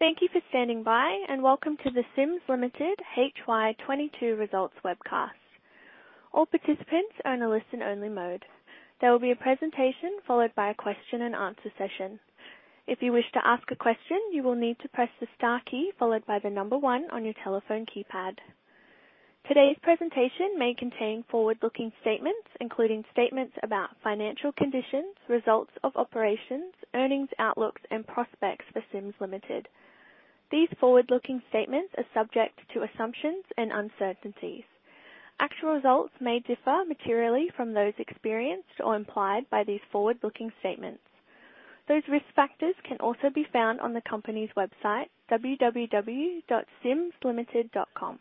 Thank you for standing by, and welcome to the Sims Limited HY 2022 results webcast. All participants are in a listen-only mode. There will be a presentation followed by a question-and-answer session. If you wish to ask a question, you will need to press the star key followed by the number one on your telephone keypad. Today's presentation may contain forward-looking statements, including statements about financial conditions, results of operations, earnings outlooks, and prospects for Sims Limited. These forward-looking statements are subject to assumptions and uncertainties. Actual results may differ materially from those experienced or implied by these forward-looking statements. Those risk factors can also be found on the company's website, www.simslimited.com.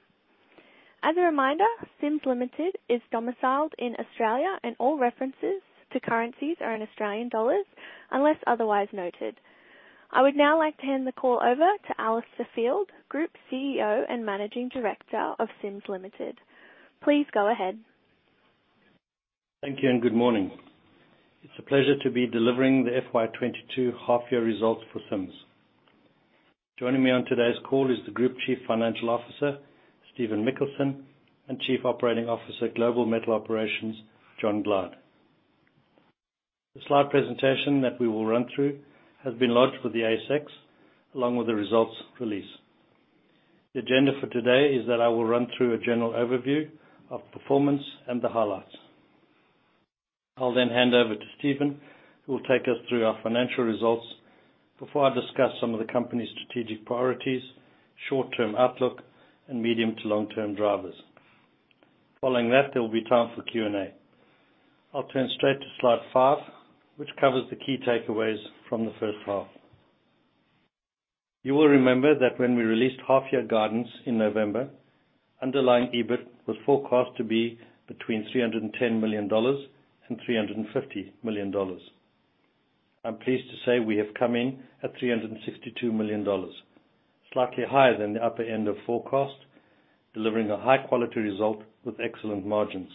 As a reminder, Sims Limited is domiciled in Australia, and all references to currencies are in Australian dollars, unless otherwise noted. I would now like to hand the call over to Alistair Field, Group CEO and Managing Director of Sims Limited. Please go ahead. Thank you, and good morning. It's a pleasure to be delivering the FY 2022 half year results for Sims. Joining me on today's call is the Group Chief Financial Officer, Stephen Mikkelsen, and Chief Operating Officer, Global Metal Operations, John Glyde. The slide presentation that we will run through has been lodged with the ASX along with the results release. The agenda for today is that I will run through a general overview of performance and the highlights. I'll then hand over to Stephen, who will take us through our financial results before I discuss some of the company's strategic priorities, short-term outlook, and medium to long-term drivers. Following that, there will be time for Q&A. I'll turn straight to slide five, which covers the key takeaways from the first half. You will remember that when we released half year guidance in November, underlying EBIT was forecast to be between 310 million dollars and 350 million dollars. I'm pleased to say we have come in at 362 million dollars, slightly higher than the upper end of forecast, delivering a high-quality result with excellent margins.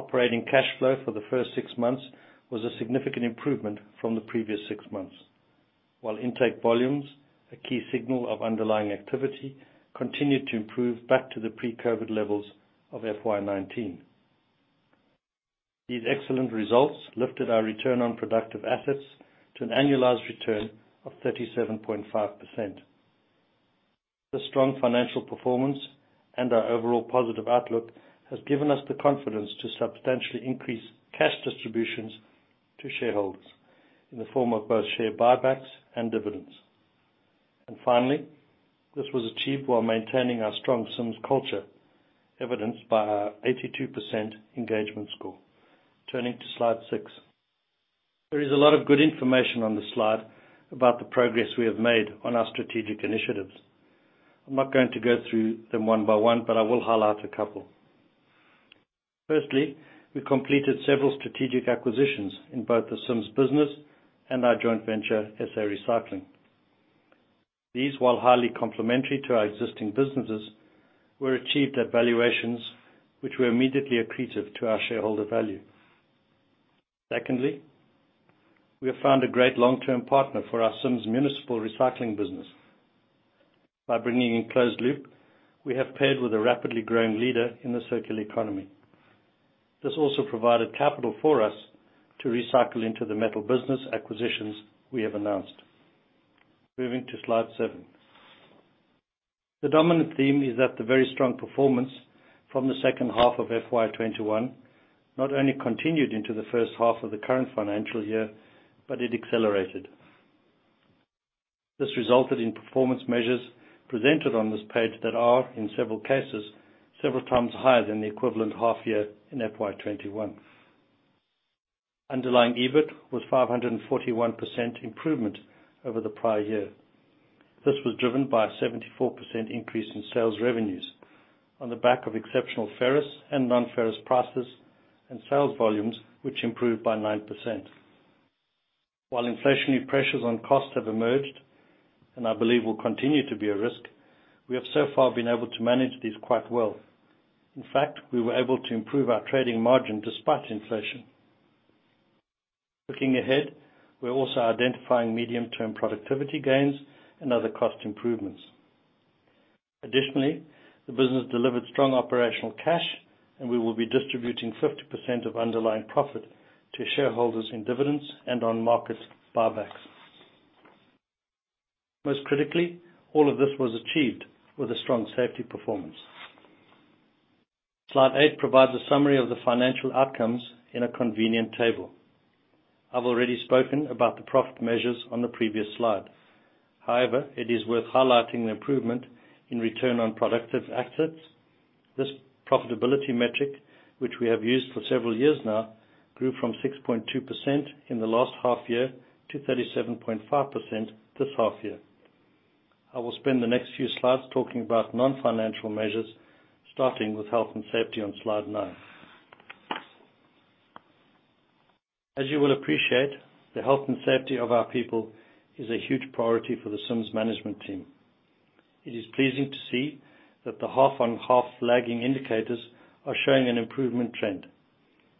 Operating cash flow for the first six months was a significant improvement from the previous six months, while intake volumes, a key signal of underlying activity, continued to improve back to the pre-COVID levels of FY 2019. These excellent results lifted our return on productive assets to an annualized return of 37.5%. The strong financial performance and our overall positive outlook has given us the confidence to substantially increase cash distributions to shareholders in the form of both share buybacks and dividends. Finally, this was achieved while maintaining our strong Sims culture, evidenced by our 82% engagement score. Turning to slide six. There is a lot of good information on this slide about the progress we have made on our strategic initiatives. I'm not going to go through them one by one, but I will highlight a couple. Firstly, we completed several strategic acquisitions in both the Sims business and our joint venture, SA Recycling. These, while highly complementary to our existing businesses, were achieved at valuations which were immediately accretive to our shareholder value. Secondly, we have found a great long-term partner for our Sims Municipal Recycling business. By bringing in Closed Loop, we have paired with a rapidly growing leader in the circular economy. This also provided capital for us to recycle into the metal business acquisitions we have announced. Moving to slide seven. The dominant theme is that the very strong performance from the second half of FY 2021 not only continued into the first half of the current financial year, but it accelerated. This resulted in performance measures presented on this page that are, in several cases, several times higher than the equivalent half year in FY 2021. Underlying EBIT was 541% improvement over the prior year. This was driven by a 74% increase in sales revenues on the back of exceptional ferrous and non-ferrous prices and sales volumes, which improved by 9%. While inflationary pressures on costs have emerged, and I believe will continue to be a risk, we have so far been able to manage these quite well. In fact, we were able to improve our trading margin despite inflation. Looking ahead, we're also identifying medium-term productivity gains and other cost improvements. Additionally, the business delivered strong operational cash, and we will be distributing 50% of underlying profit to shareholders in dividends and on-market buybacks. Most critically, all of this was achieved with a strong safety performance. Slide eight provides a summary of the financial outcomes in a convenient table. I've already spoken about the profit measures on the previous slide. However, it is worth highlighting the improvement in return on productive assets. This profitability metric, which we have used for several years now, grew from 6.2% in the last half year to 37.5% this half year. I will spend the next few slides talking about non-financial measures, starting with health and safety on slide nine. As you will appreciate, the health and safety of our people is a huge priority for the Sims management team. It is pleasing to see that the half on half lagging indicators are showing an improvement trend,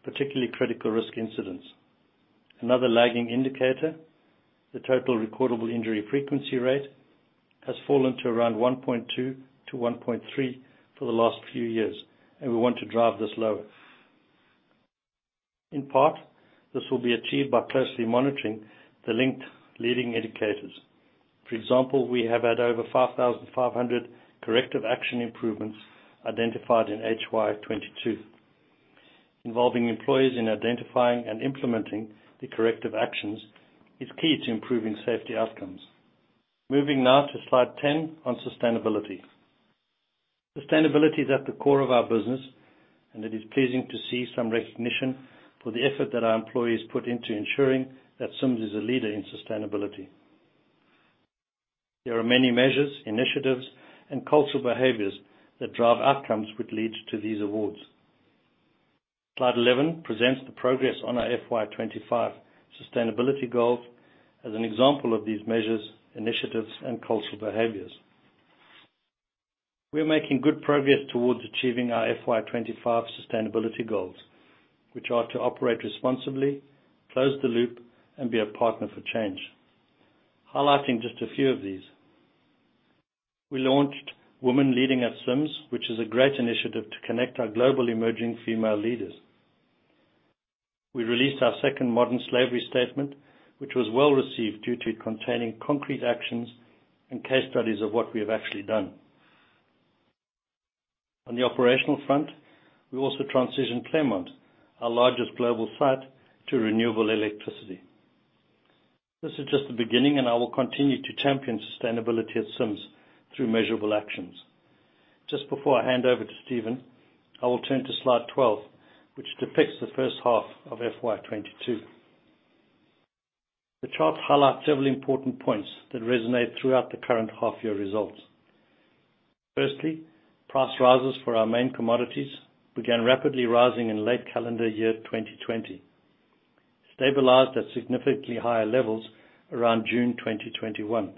particularly critical risk incidents. Another lagging indicator, the total recordable injury frequency rate, has fallen to around 1.2-1.3 for the last few years, and we want to drive this lower. In part, this will be achieved by closely monitoring the linked leading indicators. For example, we have had over 5,500 corrective action improvements identified in HY 2022. Involving employees in identifying and implementing the corrective actions is key to improving safety outcomes. Moving now to slide 10 on sustainability. Sustainability is at the core of our business, and it is pleasing to see some recognition for the effort that our employees put into ensuring that Sims is a leader in sustainability. There are many measures, initiatives, and cultural behaviors that drive outcomes which lead to these awards. Slide 11 presents the progress on our FY 2025 sustainability goals as an example of these measures, initiatives, and cultural behaviors. We are making good progress towards achieving our FY 2025 sustainability goals, which are to operate responsibly, close the loop, and be a partner for change. Highlighting just a few of these. We launched Women Leading @ Sims, which is a great initiative to connect our global emerging female leaders. We released our second modern slavery statement, which was well-received due to it containing concrete actions and case studies of what we have actually done. On the operational front, we also transitioned Claremont, our largest global site, to renewable electricity. This is just the beginning, and I will continue to champion sustainability at Sims through measurable actions. Just before I hand over to Stephen, I will turn to slide 12, which depicts the first half of FY 2022. The charts highlight several important points that resonate throughout the current half-year results. Firstly, price rises for our main commodities began rapidly rising in late calendar year 2020, stabilized at significantly higher levels around June 2021,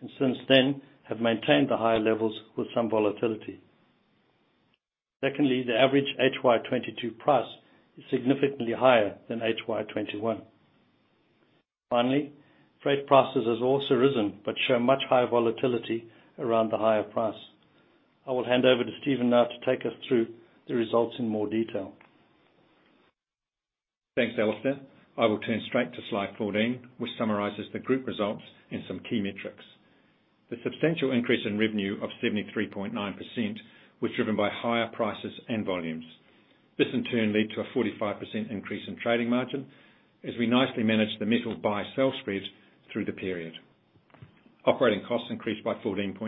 and since then have maintained the higher levels with some volatility. Secondly, the average HY 2022 price is significantly higher than HY 2021. Finally, freight prices has also risen but show much higher volatility around the higher price. I will hand over to Stephen now to take us through the results in more detail. Thanks, Alistair. I will turn straight to slide 14, which summarizes the group results and some key metrics. The substantial increase in revenue of 73.9% was driven by higher prices and volumes. This, in turn, lead to a 45% increase in trading margin as we nicely managed the metals buy-sell spreads through the period. Operating costs increased by 14.3%.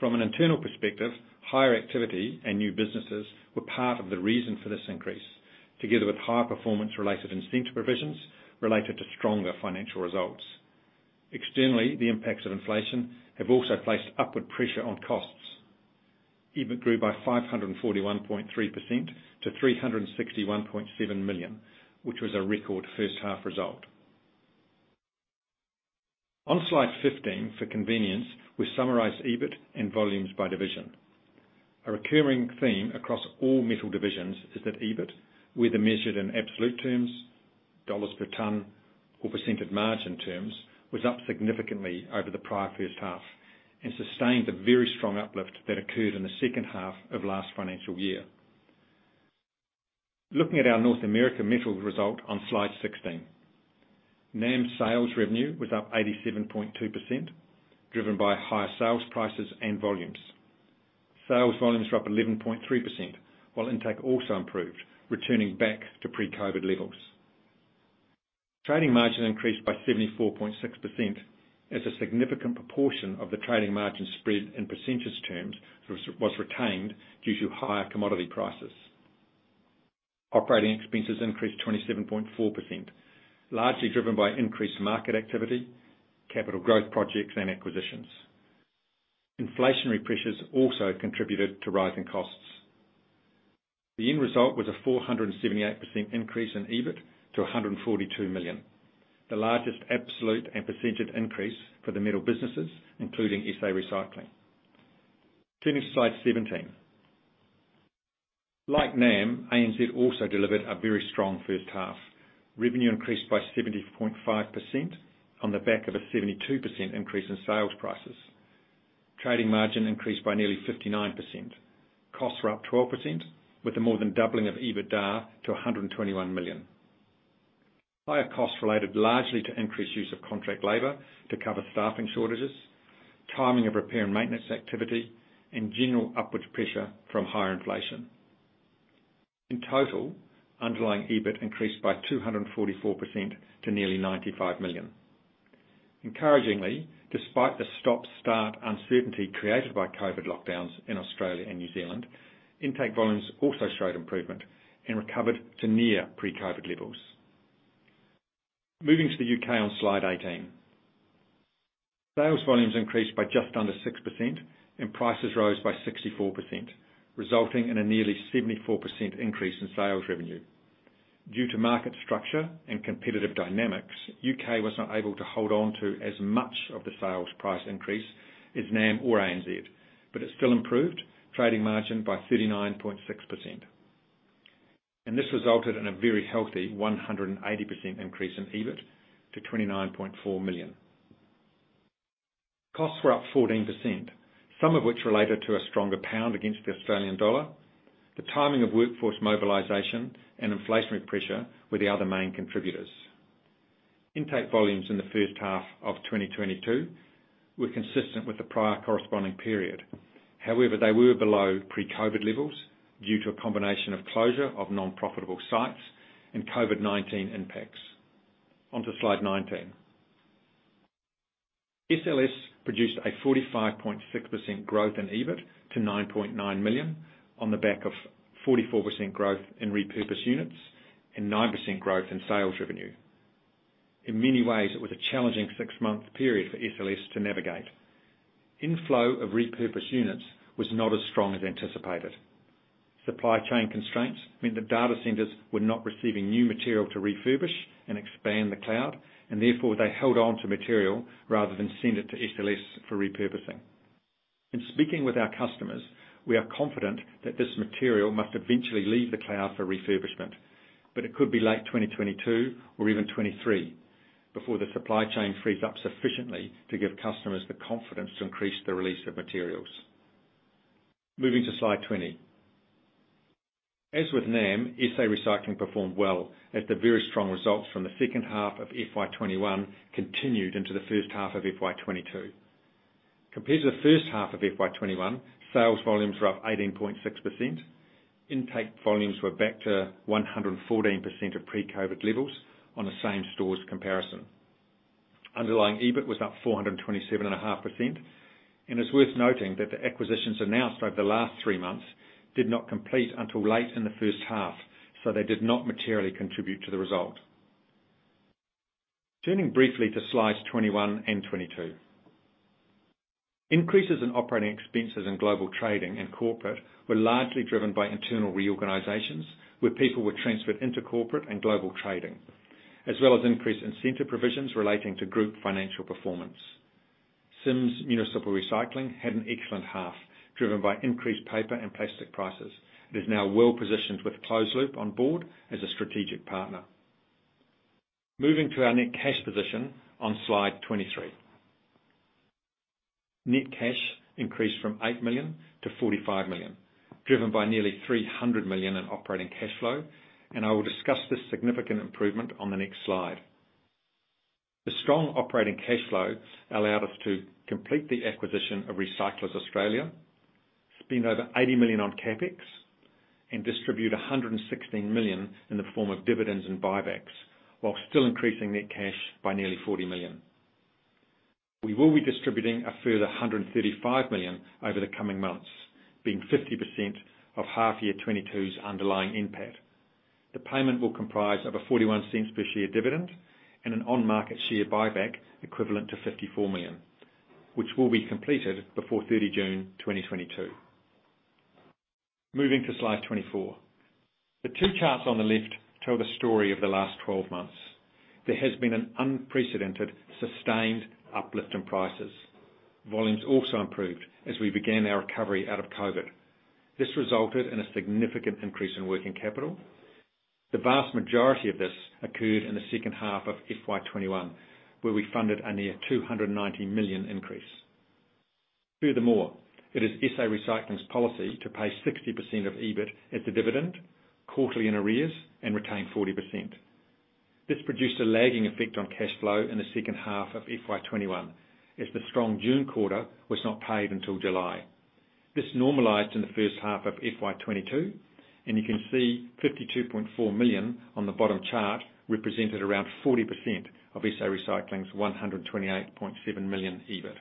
From an internal perspective, higher activity and new businesses were part of the reason for this increase, together with high performance-related incentive provisions related to stronger financial results. Externally, the impacts of inflation have also placed upward pressure on costs. EBIT grew by 541.3% to 361.7 million, which was a record first half result. On slide 15, for convenience, we summarize EBIT and volumes by division. A recurring theme across all metal divisions is that EBIT, whether measured in absolute terms, dollars per ton, or percentage margin terms, was up significantly over the prior first half and sustained the very strong uplift that occurred in the second half of last financial year. Looking at our North America Metals result on slide 16. NAM sales revenue was up 87.2%, driven by higher sales prices and volumes. Sales volumes were up 11.3%, while intake also improved, returning back to pre-COVID levels. Trading margin increased by 74.6% as a significant proportion of the trading margin spread in percentage terms was retained due to higher commodity prices. Operating expenses increased 27.4%, largely driven by increased market activity, capital growth projects, and acquisitions. Inflationary pressures also contributed to rising costs. The end result was a 478% increase in EBIT to 142 million, the largest absolute and percentage increase for the metal businesses, including SA Recycling. Turning to slide 17. Like NAM, ANZ also delivered a very strong first half. Revenue increased by 70.5% on the back of a 72% increase in sales prices. Trading margin increased by nearly 59%. Costs were up 12% with the more than doubling of EBITDA to 121 million. Higher costs related largely to increased use of contract labor to cover staffing shortages, timing of repair and maintenance activity, and general upward pressure from higher inflation. In total, underlying EBIT increased by 244% to nearly 95 million. Encouragingly, despite the stop-start uncertainty created by COVID lockdowns in Australia and New Zealand, intake volumes also showed improvement and recovered to near pre-COVID levels. Moving to the U.K. on slide 18. Sales volumes increased by just under 6% and prices rose by 64%, resulting in a nearly 74% increase in sales revenue. Due to market structure and competitive dynamics, U.K. was not able to hold on to as much of the sales price increase as NAM or ANZ, but it still improved trading margin by 39.6%. This resulted in a very healthy 180% increase in EBIT to 29.4 million. Costs were up 14%, some of which related to a stronger pound against the Australian dollar. The timing of workforce mobilization and inflationary pressure were the other main contributors. Intake volumes in the first half of 2022 were consistent with the prior corresponding period. However, they were below pre-COVID levels due to a combination of closure of non-profitable sites and COVID-19 impacts. On to slide 19. SLS produced a 45.6% growth in EBIT to 9.9 million on the back of 44% growth in repurposed units and 9% growth in sales revenue. In many ways, it was a challenging six-month period for SLS to navigate. Inflow of repurposed units was not as strong as anticipated. Supply chain constraints meant that data centers were not receiving new material to refurbish and expand the cloud, and therefore they held on to material rather than send it to SLS for repurposing. In speaking with our customers, we are confident that this material must eventually leave the cloud for refurbishment, but it could be late 2022 or even 2023 before the supply chain frees up sufficiently to give customers the confidence to increase the release of materials. Moving to slide 20. As with NAM, SA Recycling performed well, as the very strong results from the second half of FY 2021 continued into the first half of FY 2022. Compared to the first half of FY 2021, sales volumes were up 18.6%. Intake volumes were back to 114% of pre-COVID levels on the same stores comparison. Underlying EBIT was up 427.5%, and it's worth noting that the acquisitions announced over the last three months did not complete until late in the first half, so they did not materially contribute to the result. Turning briefly to slides 21 and 22. Increases in operating expenses in global trading and corporate were largely driven by internal reorganizations, where people were transferred into corporate and global trading, as well as increased incentive provisions relating to group financial performance. Sims Municipal Recycling had an excellent half, driven by increased paper and plastic prices. It is now well-positioned with Closed Loop on board as a strategic partner. Moving to our net cash position on slide 23. Net cash increased from 8 million to 45 million, driven by nearly 300 million in operating cash flow, and I will discuss this significant improvement on the next slide. The strong operating cash flow allowed us to complete the acquisition of Recyclers Australia, spend over 80 million on CapEx, and distribute 116 million in the form of dividends and buybacks, while still increasing net cash by nearly 40 million. We will be distributing a further 135 million over the coming months, being 50% of half year 2022's underlying NPAT. The payment will comprise of a 0.41 per share dividend and an on-market share buyback equivalent to 54 million, which will be completed before 30 June 2022. Moving to slide 24. The two charts on the left tell the story of the last 12 months. There has been an unprecedented, sustained uplift in prices. Volumes also improved as we began our recovery out of COVID. This resulted in a significant increase in working capital. The vast majority of this occurred in the second half of FY 2021, where we funded a near 290 million increase. Furthermore, it is SA Recycling's policy to pay 60% of EBIT as a dividend quarterly in arrears and retain 40%. This produced a lagging effect on cash flow in the second half of FY 2021 as the strong June quarter was not paid until July. This normalized in the first half of FY 2022, and you can see 52.4 million on the bottom chart represented around 40% of SA Recycling's 128.7 million EBIT.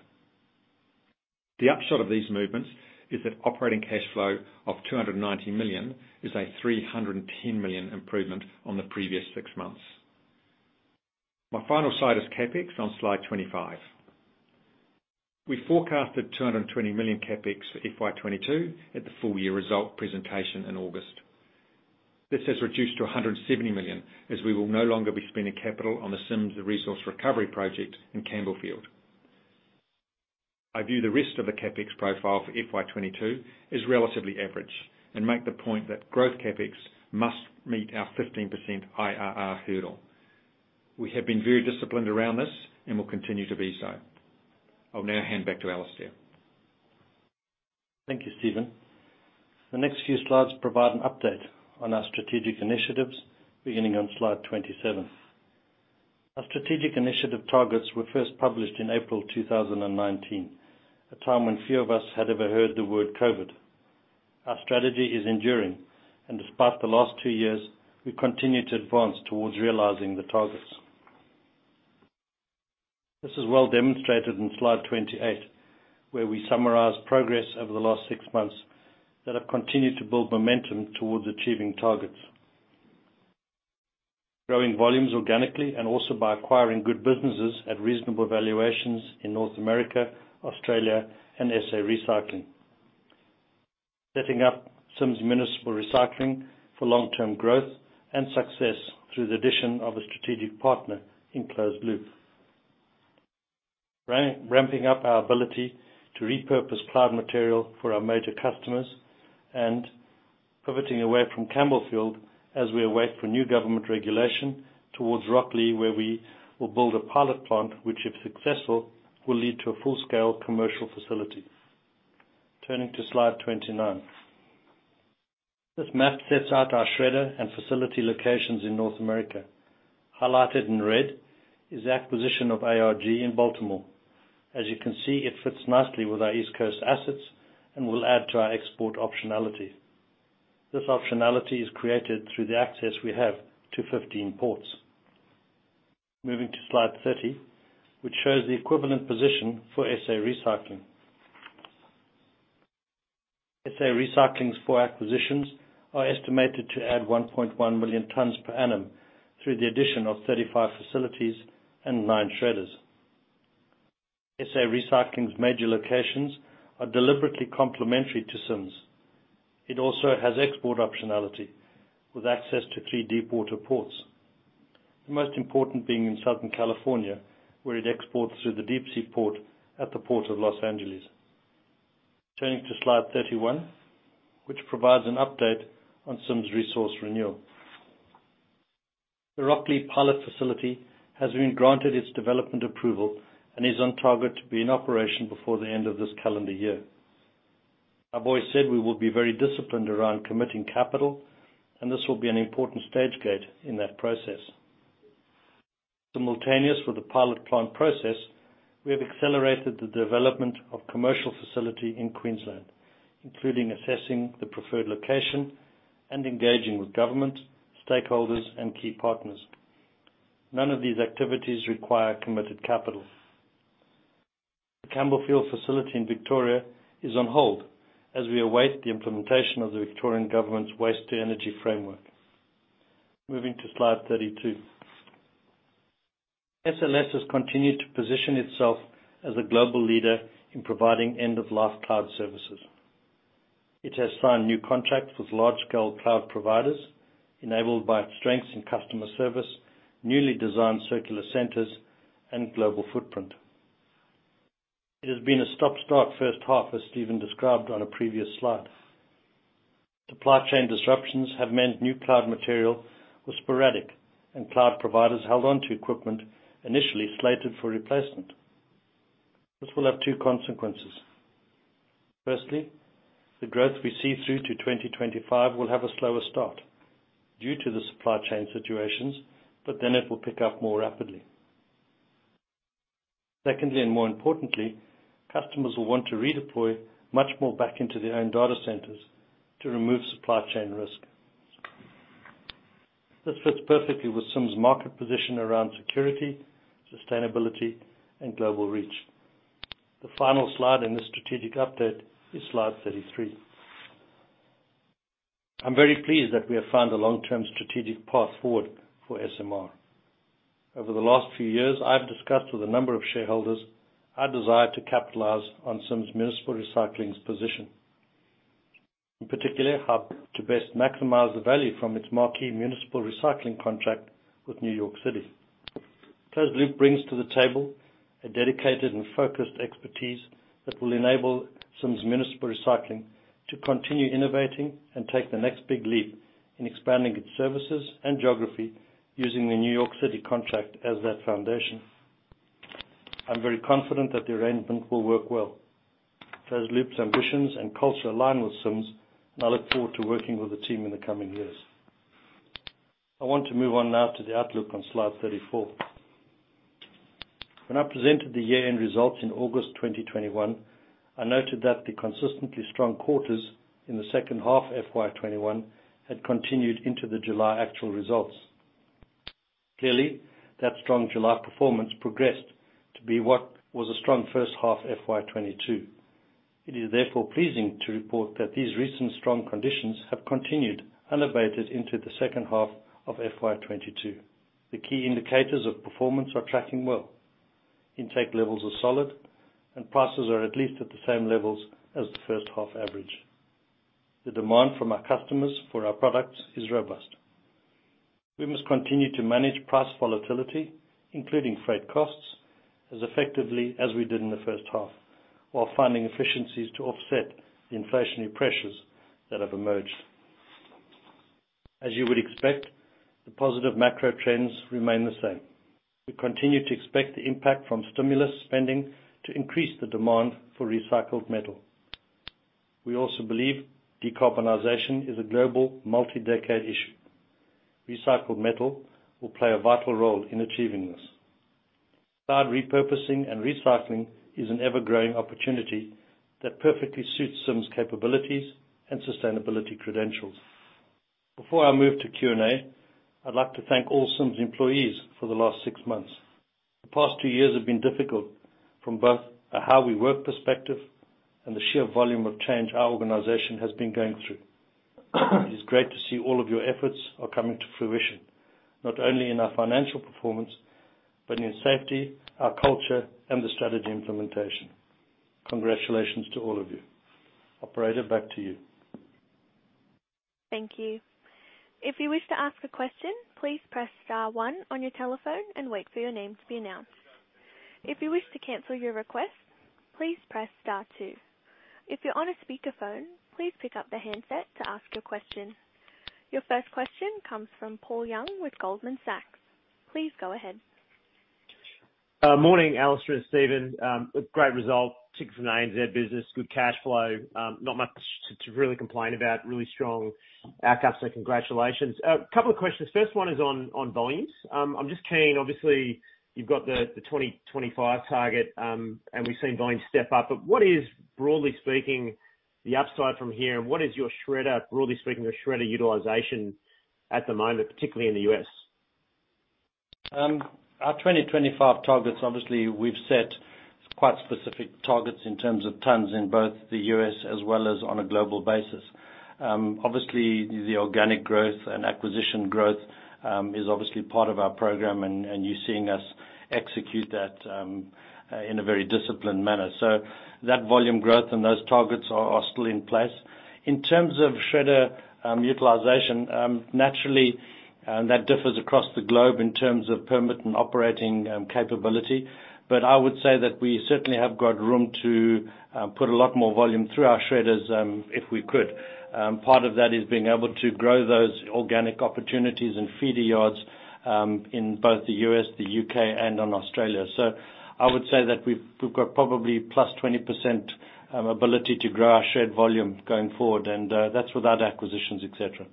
The upshot of these movements is that operating cash flow of 290 million is a 310 million improvement on the previous six months. My final slide is CapEx on slide 25. We forecasted 220 million CapEx for FY 2022 at the full year result presentation in August. This has reduced to 170 million, as we will no longer be spending capital on the Sims Resource Renewal project in Campbellfield. I view the rest of the CapEx profile for FY 2022 as relatively average and make the point that growth CapEx must meet our 15% IRR hurdle. We have been very disciplined around this and will continue to be so. I'll now hand back to Alistair. Thank you, Stephen. The next few slides provide an update on our strategic initiatives beginning on slide 27. Our strategic initiative targets were first published in April 2019, a time when few of us had ever heard the word COVID. Our strategy is enduring, and despite the last two years, we continue to advance towards realizing the targets. This is well demonstrated in slide 28, where we summarize progress over the last six months that have continued to build momentum towards achieving targets. Growing volumes organically and also by acquiring good businesses at reasonable valuations in North America, Australia, and SA Recycling. Setting up Sims Municipal Recycling for long-term growth and success through the addition of a strategic partner in Closed Loop. Ramping up our ability to repurpose cloud material for our major customers and pivoting away from Campbellfield as we await for new government regulation towards Rocklea, where we will build a pilot plant, which if successful, will lead to a full-scale commercial facility. Turning to slide 29. This map sets out our shredder and facility locations in North America. Highlighted in red is the acquisition of ARG in Baltimore. As you can see, it fits nicely with our East Coast assets and will add to our export optionality. This optionality is created through the access we have to 15 ports. Moving to slide 30, which shows the equivalent position for SA Recycling. SA Recycling's four acquisitions are estimated to add 1.1 million tons per annum through the addition of 35 facilities and nine shredders. SA Recycling's major locations are deliberately complementary to Sims. It also has export optionality, with access to three deep water ports, the most important being in Southern California, where it exports through the deep-sea port at the Port of Los Angeles. Turning to slide 31, which provides an update on Sims Resource Renewal. The Rocklea pilot facility has been granted its development approval and is on target to be in operation before the end of this calendar year. I've always said we will be very disciplined around committing capital, and this will be an important stage gate in that process. Simultaneous with the pilot plant process, we have accelerated the development of commercial facility in Queensland, including assessing the preferred location and engaging with government, stakeholders, and key partners. None of these activities require committed capital. The Campbellfield facility in Victoria is on hold as we await the implementation of the Victorian Government's Waste to Energy Framework. Moving to slide 32. SLS has continued to position itself as a global leader in providing end-of-life cloud services. It has signed new contracts with large-scale cloud providers enabled by its strengths in customer service, newly designed circular centers, and global footprint. It has been a stop-start first half, as Stephen described on a previous slide. Supply chain disruptions have meant new cloud material was sporadic and cloud providers held on to equipment initially slated for replacement. This will have two consequences. Firstly, the growth we see through to 2025 will have a slower start due to the supply chain situations, but then it will pick up more rapidly. Secondly, and more importantly, customers will want to redeploy much more back into their own data centers to remove supply chain risk. This fits perfectly with Sims' market position around security, sustainability, and global reach. The final slide in this strategic update is slide 33. I'm very pleased that we have found a long-term strategic path forward for SMR. Over the last few years, I've discussed with a number of shareholders our desire to capitalize on Sims Municipal Recycling's position, in particular, how to best maximize the value from its marquee municipal recycling contract with New York City. Closed Loop brings to the table a dedicated and focused expertise that will enable Sims Municipal Recycling to continue innovating and take the next big leap in expanding its services and geography using the New York City contract as that foundation. I'm very confident that the arrangement will work well. Closed Loop's ambitions and culture align with Sims, and I look forward to working with the team in the coming years. I want to move on now to the outlook on slide 34. When I presented the year-end results in August 2021, I noted that the consistently strong quarters in the second half FY 2021 had continued into the July actual results. Clearly, that strong July performance progressed to be what was a strong first half FY 2022. It is therefore pleasing to report that these recent strong conditions have continued, elevated into the second half of FY 2022. The key indicators of performance are tracking well. Intake levels are solid, and prices are at least at the same levels as the first half average. The demand from our customers for our products is robust. We must continue to manage price volatility, including freight costs, as effectively as we did in the first half, while finding efficiencies to offset the inflationary pressures that have emerged. As you would expect, the positive macro trends remain the same. We continue to expect the impact from stimulus spending to increase the demand for recycled metal. We also believe decarbonization is a global multi-decade issue. Recycled metal will play a vital role in achieving this. Cloud repurposing and recycling is an ever-growing opportunity that perfectly suits Sims' capabilities and sustainability credentials. Before I move to Q&A, I'd like to thank all Sims employees for the last six months. The past two years have been difficult from both a how we work perspective and the sheer volume of change our organization has been going through. It's great to see all of your efforts are coming to fruition, not only in our financial performance, but in safety, our culture, and the strategy implementation. Congratulations to all of you. Operator, back to you. Thank you. If you wish to ask a question, please press star one on your telephone and wait for your name to be announced. If you wish to cancel your request, please press star two. If you're on a speakerphone, please pick up the handset to ask your question. Your first question comes from Paul Young with Goldman Sachs. Please go ahead. Morning, Alistair and Stephen. A great result. Ticks in the ANZ business. Good cash flow. Not much to really complain about. Really strong outcome, so congratulations. Couple of questions. First one is on volumes. I'm just keen. Obviously, you've got the 2025 target, and we've seen volumes step up. What is, broadly speaking, the upside from here, and what is your shredder, broadly speaking, your shredder utilization at the moment, particularly in the U.S.? Our 2025 targets, obviously, we've set quite specific targets in terms of tons in both the U.S. as well as on a global basis. Obviously, the organic growth and acquisition growth is obviously part of our program, and you're seeing us execute that in a very disciplined manner. That volume growth and those targets are still in place. In terms of shredder utilization, naturally, that differs across the globe in terms of permit and operating capability. I would say that we certainly have got room to put a lot more volume through our shredders, if we could. Part of that is being able to grow those organic opportunities and feeder yards in both the U.S., the U.K., and in Australia. I would say that we've got probably plus 20% ability to grow our shred volume going forward, and that's without acquisitions, et cetera.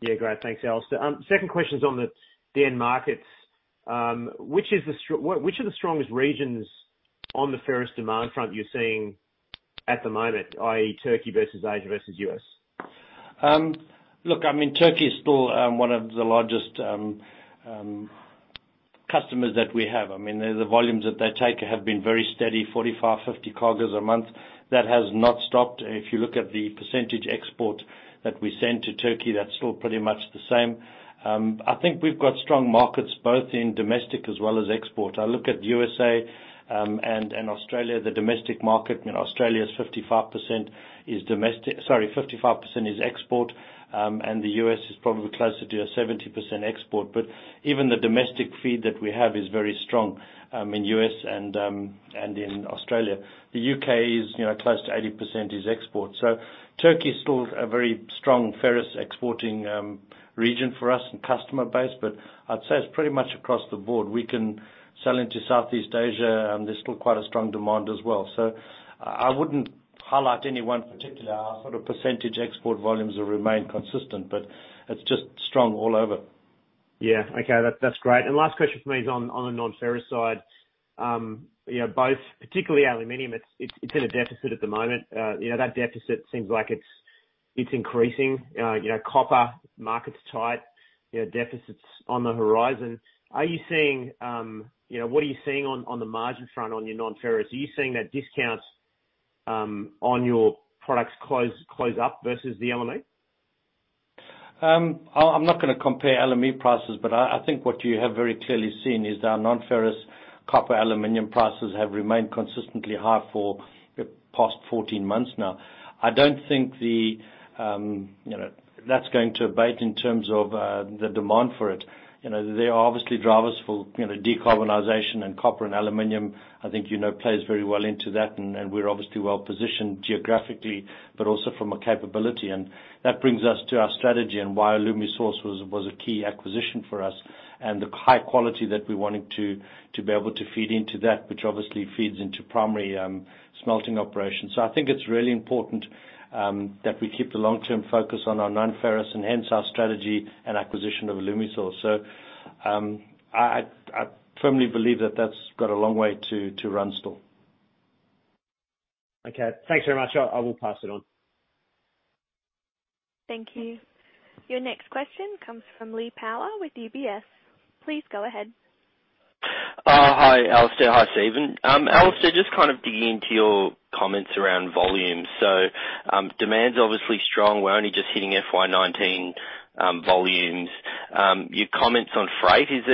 Yeah. Great. Thanks, Alistair. Second question's on the end markets. Which are the strongest regions on the ferrous demand front you're seeing at the moment, i.e., Turkey versus Asia versus U.S.? Look, I mean, Turkey is still one of the largest customers that we have. I mean, the volumes that they take have been very steady, 45-50 cargos a month. That has not stopped. If you look at the percentage export that we send to Turkey, that's still pretty much the same. I think we've got strong markets both in domestic as well as export. I look at USA, and Australia, the domestic market in Australia is 55% export, and the U.S. is probably closer to a 70% export. But even the domestic feed that we have is very strong in U.S. and in Australia. The U.K. is, you know, close to 80% export. Turkey is still a very strong ferrous exporting region for us and customer base. I'd say it's pretty much across the board. We can sell into Southeast Asia, and there's still quite a strong demand as well. I wouldn't highlight any one particular. Our sort of percentage export volumes will remain consistent, but it's just strong all over. Yeah. Okay. That's great. Last question for me is on the non-ferrous side. You know, both particularly aluminum, it's in a deficit at the moment. You know, that deficit seems like it's increasing. You know, copper market's tight. You know, deficit's on the horizon. What are you seeing on the margin front on your non-ferrous? Are you seeing that discounts on your products close up versus the LME? I'm not gonna compare LME prices, but I think what you have very clearly seen is our non-ferrous copper, aluminum prices have remained consistently high for the past 14 months now. I don't think that's going to abate in terms of the demand for it. You know, there are obviously drivers for you know, decarbonization, and copper and aluminum, I think you know, plays very well into that. We're obviously well-positioned geographically, but also from a capability. That brings us to our strategy and why Alumisource was a key acquisition for us and the high quality that we wanted to be able to feed into that, which obviously feeds into primary smelting operations. I think it's really important that we keep the long-term focus on our non-ferrous and hence our strategy and acquisition of Alumisource. I firmly believe that that's got a long way to run still. Okay. Thanks very much. I will pass it on. Thank you. Your next question comes from Lee Power with UBS. Please go ahead. Hi, Alistair. Hi, Stephen. Alistair, just kind of digging into your comments around volume. Demand's obviously strong. We're only just hitting FY 2019 volumes. Your comments on freight, is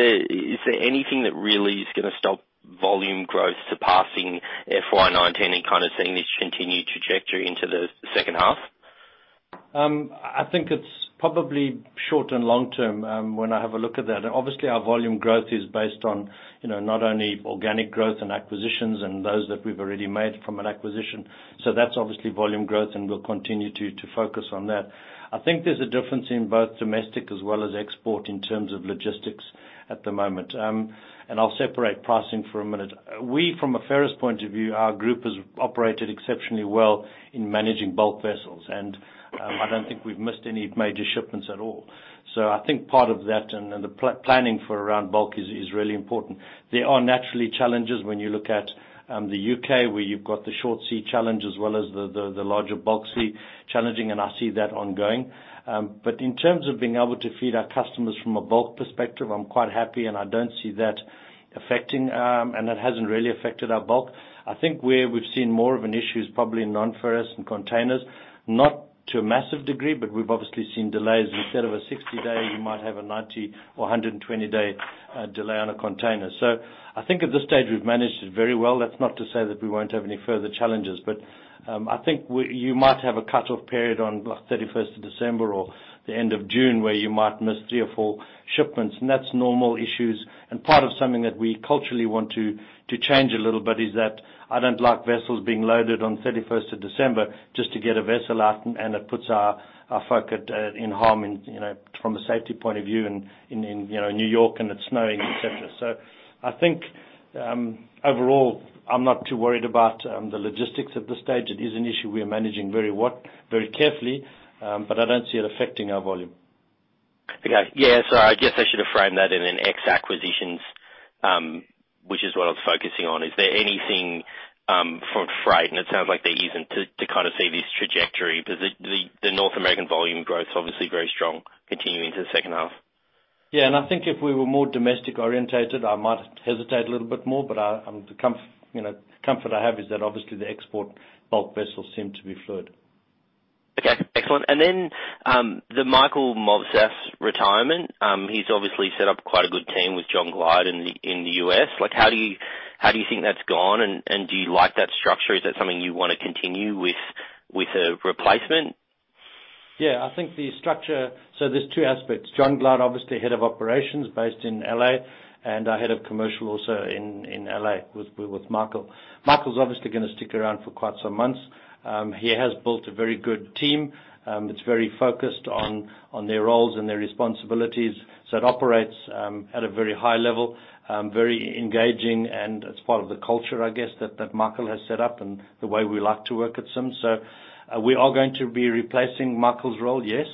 there anything that really is gonna stop volume growth surpassing FY 2019 and kind of seeing this continued trajectory into the second half? I think it's probably short and long term when I have a look at that. Obviously, our volume growth is based on, you know, not only organic growth and acquisitions and those that we've already made from an acquisition. That's obviously volume growth, and we'll continue to focus on that. I think there's a difference in both domestic as well as export in terms of logistics at the moment. I'll separate pricing for a minute. We, from a ferrous point of view, our group has operated exceptionally well in managing bulk vessels, and I don't think we've missed any major shipments at all. I think part of that and the planning for around bulk is really important. There are naturally challenges when you look at the U.K., where you've got the short sea challenge as well as the larger bulk sea challenge, and I see that ongoing. In terms of being able to feed our customers from a bulk perspective, I'm quite happy, and I don't see that affecting, and it hasn't really affected our bulk. I think where we've seen more of an issue is probably in non-ferrous and containers. Not to a massive degree, but we've obviously seen delays. Instead of a 60-day, you might have a 90- or 120-day delay on a container. I think at this stage, we've managed it very well. That's not to say that we won't have any further challenges, but I think you might have a cutoff period on about 31st of December or the end of June, where you might miss three or four shipments, and that's normal issues and part of something that we culturally want to change a little bit is that I don't like vessels being loaded on 31st of December just to get a vessel out, and it puts our folk in harm's way, you know, from a safety point of view in you know New York and it's snowing, et cetera. I think overall, I'm not too worried about the logistics at this stage. It is an issue we are managing very carefully, but I don't see it affecting our volume. Okay. Yeah. I guess I should have framed that in an ex acquisitions, which is what I was focusing on. Is there anything from freight, and it sounds like there isn't, to kind of see this trajectory? The North American volume growth's obviously very strong continuing to the second half. Yeah. I think if we were more domestic-oriented, I might hesitate a little bit more, but I'm, you know, the comfort I have is that obviously the export bulk vessels seem to be fluid. Okay. Excellent. The Michael Movsas retirement, he's obviously set up quite a good team with John Glyde in the U.S. Like, how do you think that's gone? Do you like that structure? Is that something you wanna continue with a replacement? Yeah, I think the structure. There's two aspects. John Glyde, obviously head of operations based in L.A., and our head of commercial also in L.A. with Michael. Michael's obviously gonna stick around for quite some months. He has built a very good team. It's very focused on their roles and their responsibilities, so it operates at a very high level, very engaging and as part of the culture, I guess, that Michael has set up and the way we like to work at Sims. We are going to be replacing Michael's role, yes.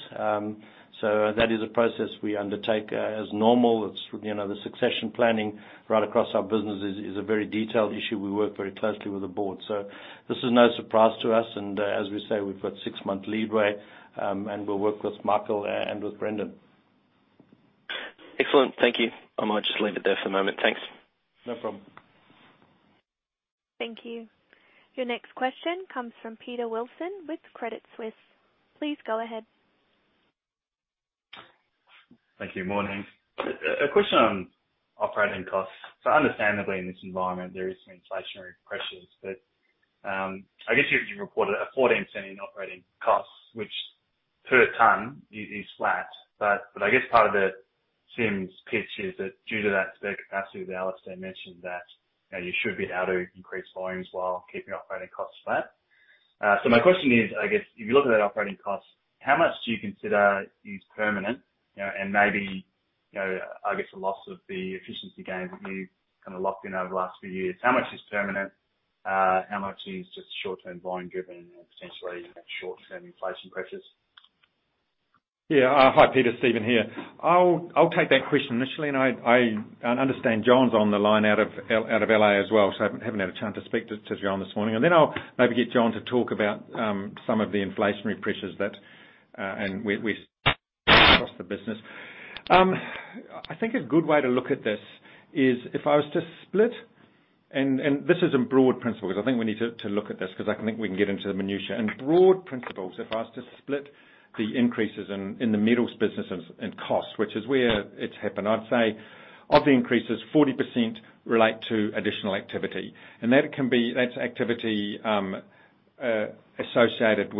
That is a process we undertake as normal. You know, the succession planning right across our business is a very detailed issue. We work very closely with the board. This is no surprise to us. As we say, we've got six-month leeway, and we'll work with Michael and with Brendan. Excellent. Thank you. I might just leave it there for a moment. Thanks. No problem. Thank you. Your next question comes from Peter Wilson with Credit Suisse. Please go ahead. Thank you. Morning. A question on operating costs. Understandably, in this environment, there is some inflationary pressures. I guess you reported a 0.14 in operating costs, which per ton is flat. I guess part of the Sims pitch is that due to that spare capacity that Alistair mentioned, you know, you should be able to increase volumes while keeping operating costs flat. My question is, I guess if you look at that operating cost, how much do you consider is permanent, you know, and maybe, you know, I guess a loss of the efficiency gains that you've kinda locked in over the last few years. How much is permanent? How much is just short-term volume driven and potentially short-term inflation pressures? Hi, Peter. Stephen here. I'll take that question initially. I understand John's on the line out of L.A. as well. I haven't had a chance to speak to John this morning. Then I'll maybe get John to talk about some of the inflationary pressures that we see across the business. I think a good way to look at this is if I was to split. This is a broad principle 'cause I think we need to look at this 'cause I think we can get into the minutiae. In broad principles, if I was to split the increases in the metals business and costs, which is where it's happened, I'd say of the increases, 40% relate to additional activity. That's activity associated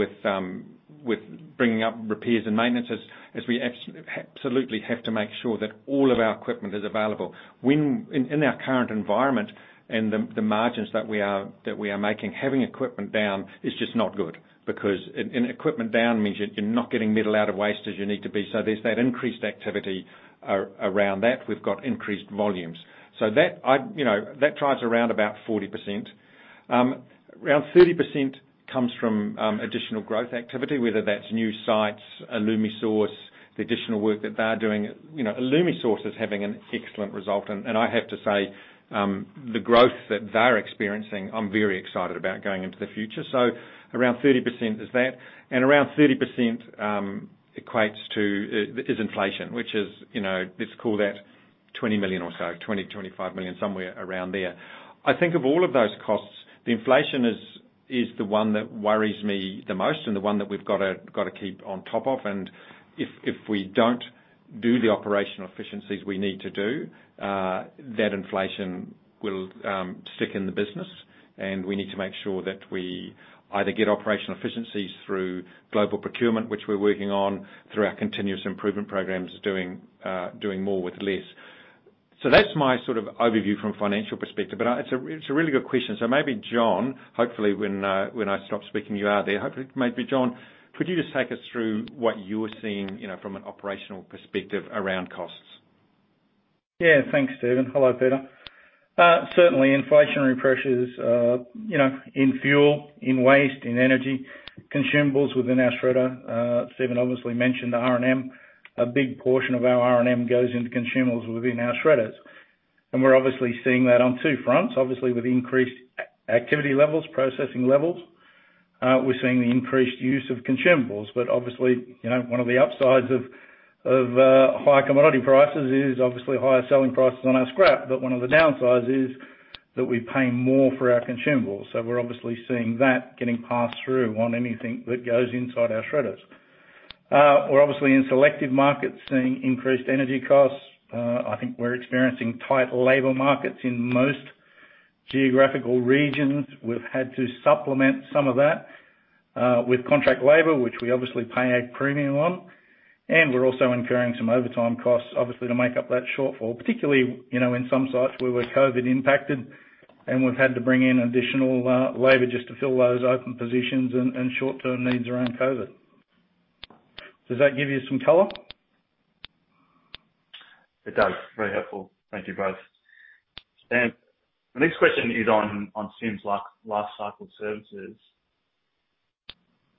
with bringing up repairs and maintenances, as we absolutely have to make sure that all of our equipment is available. In our current environment and the margins that we are making, having equipment down is just not good because an equipment down means you're not getting metal out of waste as you need to be. There's that increased activity around that. We've got increased volumes. That, you know, that drives around about 40%. Around 30% comes from additional growth activity, whether that's new sites, Alumisource, the additional work that they are doing. You know, Alumisource is having an excellent result. I have to say, the growth that they're experiencing, I'm very excited about going into the future. Around 30% is that, and around 30% equates to is inflation, which is, you know, let's call that 20 million or so, 25 million, somewhere around there. I think of all of those costs, the inflation is the one that worries me the most and the one that we've gotta keep on top of. If we don't do the operational efficiencies we need to do, that inflation will stick in the business, and we need to make sure that we either get operational efficiencies through global procurement, which we're working on through our continuous improvement programs, doing more with less. That's my sort of overview from a financial perspective, but it's a really good question. Maybe John, hopefully when I stop speaking, you are there. Hopefully, maybe John, could you just take us through what you're seeing, you know, from an operational perspective around costs? Yeah. Thanks, Stephen. Hello, Peter. Certainly inflationary pressures, you know, in fuel, in waste, in energy, consumables within our shredder. Stephen obviously mentioned the R&M. A big portion of our R&M goes into consumables within our shredders. We're obviously seeing that on two fronts, obviously with increased activity levels, processing levels. We're seeing the increased use of consumables, but obviously, you know, one of the upsides of high commodity prices is obviously higher selling prices on our scrap. One of the downsides is that we're paying more for our consumables. We're obviously seeing that getting passed through on anything that goes inside our shredders. We're obviously in selective markets seeing increased energy costs. I think we're experiencing tight labor markets in most geographical regions. We've had to supplement some of that with contract labor, which we obviously pay a premium on. We're also incurring some overtime costs, obviously, to make up that shortfall, particularly, you know, in some sites where we're COVID impacted, and we've had to bring in additional labor just to fill those open positions and short-term needs around COVID. Does that give you some color? It does. Very helpful. Thank you, both. The next question is on Sims Lifecycle Services.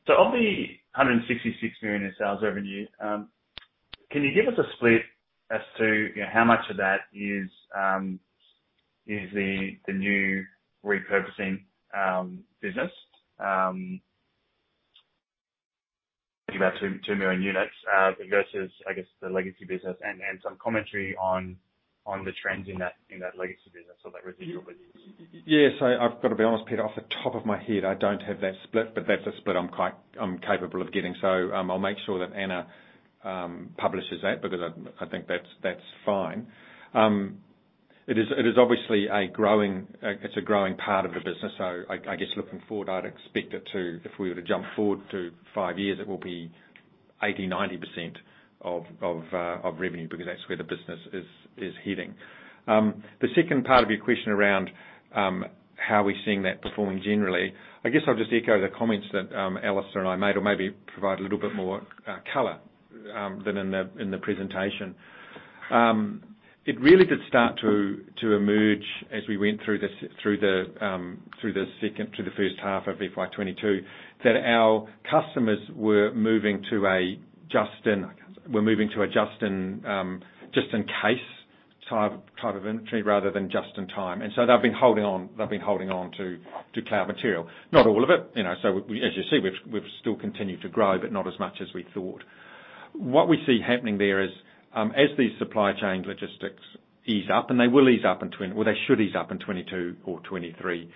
So of the 166 million in sales revenue, can you give us a split as to, you know, how much of that is the new repurposing business, about 2 million units, versus, I guess, the legacy business and some commentary on the trends in that legacy business or that residual business? Yes. I've gotta be honest, Peter, off the top of my head, I don't have that split, but that's a split I'm capable of getting. I'll make sure that Anna publishes that because I think that's fine. It is obviously a growing part of the business. I guess looking forward, I'd expect it to, if we were to jump forward to five years, it will be 80%-90% of revenue because that's where the business is heading. The second part of your question around how we're seeing that performing generally, I guess I'll just echo the comments that Alistair and I made or maybe provide a little bit more color than in the presentation. It really did start to emerge as we went through the first half of FY 2022, that our customers were moving to a just in case type of inventory rather than just in time. They've been holding on to cloud material. Not all of it, you know. As you see, we've still continued to grow, but not as much as we thought. What we see happening there is, as these supply chain logistics ease up, and they will ease up in 2022 or 2023,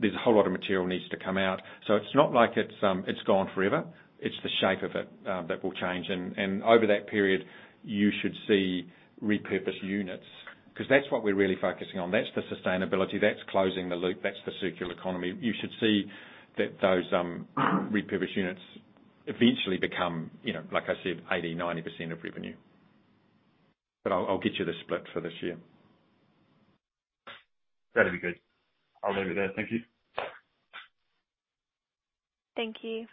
there's a whole lot of material needs to come out. It's not like it's gone forever. It's the shape of it that will change. Over that period, you should see repurposed units, 'cause that's what we're really focusing on. That's the sustainability, that's closing the loop, that's the circular economy. You should see that those repurposed units eventually become, you know, like I said, 80%, 90% of revenue. I'll get you the split for this year. That'd be good. I'll leave it there. Thank you. Thank you.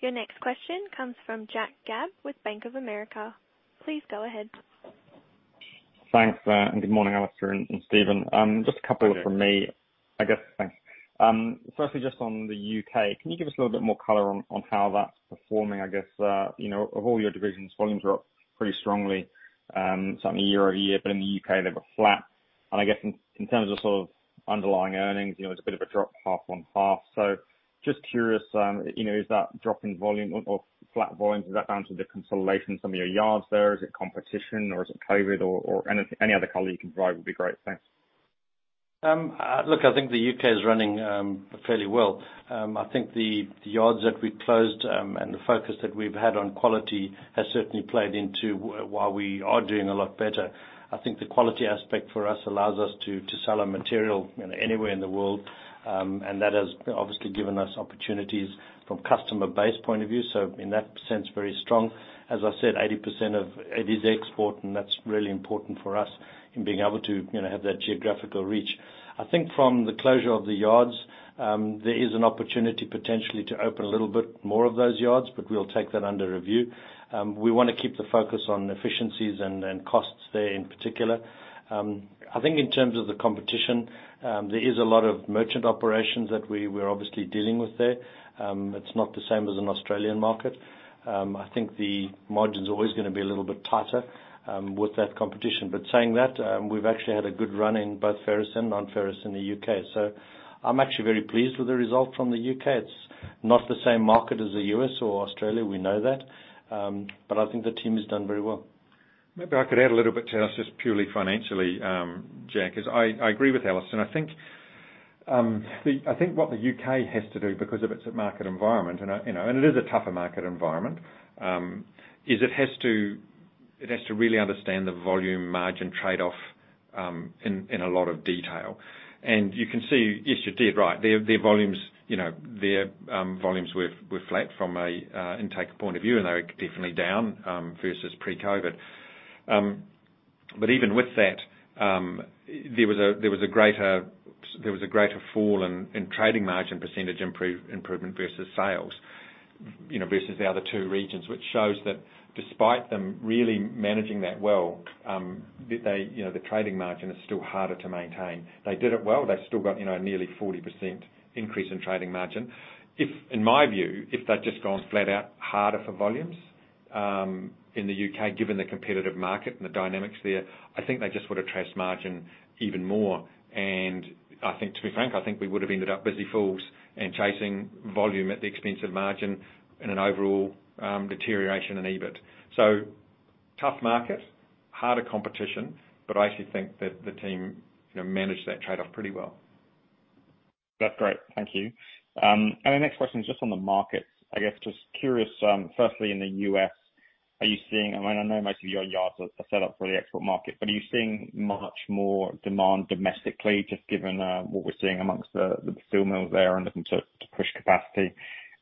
Your next question comes from Jack Gabb with Bank of America. Please go ahead. Thanks, and good morning, Alistair and Stephen. Just a couple from me- Hi, Jack. I guess. Thanks. Firstly, just on the U.K., can you give us a little bit more color on how that's performing? I guess, you know, of all your divisions, volumes are up pretty strongly, certainly year-over-year, but in the U.K. they were flat. I guess in terms of sort of underlying earnings, you know, it's a bit of a drop half on half. Just curious, you know, is that drop in volume or flat volumes, is that down to the consolidation of some of your yards there? Is it competition or is it COVID or any other color you can provide would be great. Thanks. Look, I think the U.K. is running fairly well. I think the yards that we closed and the focus that we've had on quality has certainly played into why we are doing a lot better. I think the quality aspect for us allows us to sell our material anywhere in the world. That has obviously given us opportunities from customer base point of view. In that sense, very strong. As I said, 80% of it is export and that's really important for us in being able to you know have that geographical reach. I think from the closure of the yards there is an opportunity potentially to open a little bit more of those yards, but we'll take that under review. We wanna keep the focus on efficiencies and costs there in particular. I think in terms of the competition, there is a lot of merchant operations that we're obviously dealing with there. It's not the same as an Australian market. I think the margin's always gonna be a little bit tighter with that competition. Saying that, we've actually had a good run in both ferrous and non-ferrous in the U.K. I'm actually very pleased with the result from the U.K. It's not the same market as the U.S. or Australia. We know that. I think the team has done very well. Maybe I could add a little bit to us, just purely financially, Jack, is I agree with Alistair. I think what the UK has to do because of its market environment and, you know, it is a tougher market environment, is it has to really understand the volume margin trade-off, in a lot of detail. You can see, yes, you did, right, their volumes, you know, their volumes were flat from a intake point of view, and they were definitely down versus pre-COVID. But even with that, there was a greater fall in trading margin percentage improvement versus sales, you know, versus the other two regions. Which shows that despite them really managing that well, they, you know, the trading margin is still harder to maintain. They did it well. They've still got, you know, nearly 40% increase in trading margin. In my view, if they'd just gone flat out harder for volumes. In the U.K., given the competitive market and the dynamics there, I think they just would have eroded margin even more. I think to be frank, I think we would have ended up busy fools and chasing volume at the expense of margin in an overall deterioration in EBIT. Tough market, harder competition, but I actually think that the team, you know, managed that trade-off pretty well. That's great. Thank you. My next question is just on the markets. I guess, just curious, firstly in the U.S., are you seeing—I mean, I know most of your yards are set up for the export market, but are you seeing much more demand domestically, just given what we're seeing amongst the steel mills there and looking to push capacity?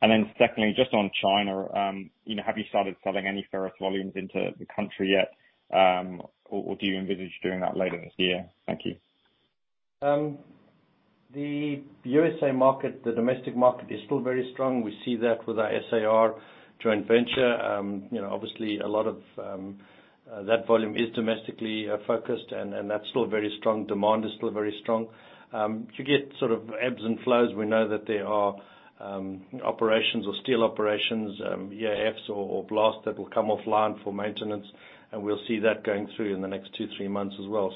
Then secondly, just on China, you know, have you started selling any ferrous volumes into the country yet? Or do you envisage doing that later this year? Thank you. The USA market, the domestic market is still very strong. We see that with our SA Recycling joint venture. You know, obviously a lot of that volume is domestically focused and that's still very strong. Demand is still very strong. You get sort of ebbs and flows. We know that there are operations or steel operations, EAFs or blast that will come offline for maintenance, and we'll see that going through in the next two, three months as well.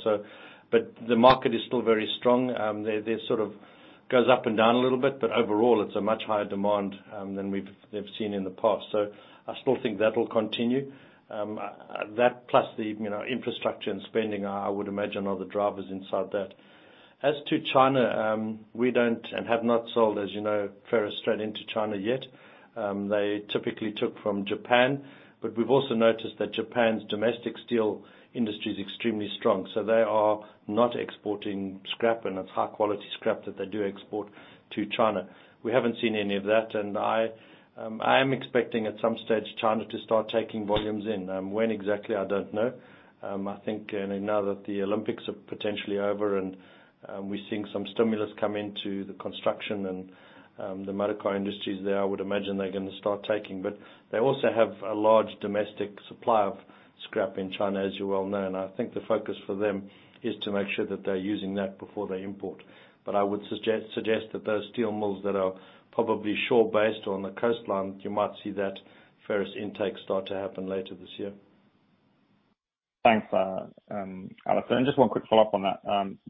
But the market is still very strong. They sort of goes up and down a little bit, but overall, it's a much higher demand than we've seen in the past. I still think that will continue. That plus the, you know, infrastructure and spending, I would imagine are the drivers inside that. As to China, we don't and have not sold, as you know, ferrous straight into China yet. They typically took from Japan, but we've also noticed that Japan's domestic steel industry is extremely strong. They are not exporting scrap, and it's high quality scrap that they do export to China. We haven't seen any of that. I am expecting at some stage China to start taking volumes in. When exactly, I don't know. I think, and now that the Olympics are potentially over and, we're seeing some stimulus come into the construction and, the motor car industries there, I would imagine they're gonna start taking. They also have a large domestic supply of scrap in China, as you well know. I think the focus for them is to make sure that they're using that before they import. I would suggest that those steel mills that are probably shore-based or on the coastline, you might see that ferrous intake start to happen later this year. Thanks, Al. Just one quick follow-up on that.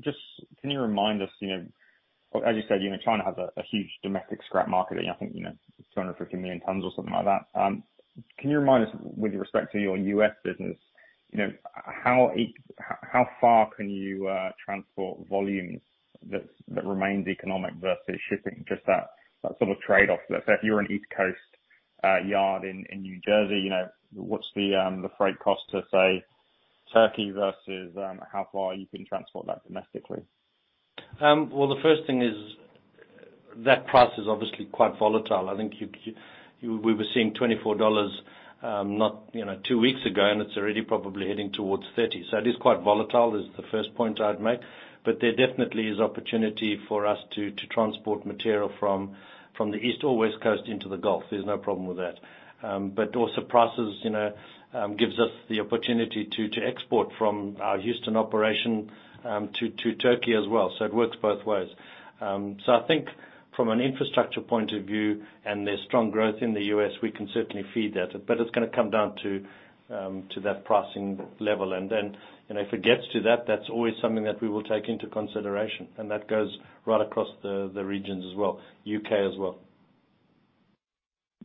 Just can you remind us, you know, as you said, you know, China has a huge domestic scrap market. I think, you know, 250 million tons or something like that. Can you remind us with respect to your U.S. business, you know, how far can you transport volumes that remains economic versus shipping, just that sort of trade-off there. If you're an East Coast yard in New Jersey, you know, what's the freight cost to, say, Turkey versus how far you can transport that domestically? Well, the first thing is that price is obviously quite volatile. I think we were seeing $24 not, you know, two weeks ago, and it's already probably heading towards $30. It is quite volatile is the first point I'd make. There definitely is opportunity for us to transport material from the East or West Coast into the Gulf. There's no problem with that. Also prices, you know, gives us the opportunity to export from our Houston operation to Turkey as well. It works both ways. I think from an infrastructure point of view and there's strong growth in the U.S., we can certainly feed that. It's gonna come down to that pricing level. You know, if it gets to that's always something that we will take into consideration, and that goes right across the regions as well, U.K. as well.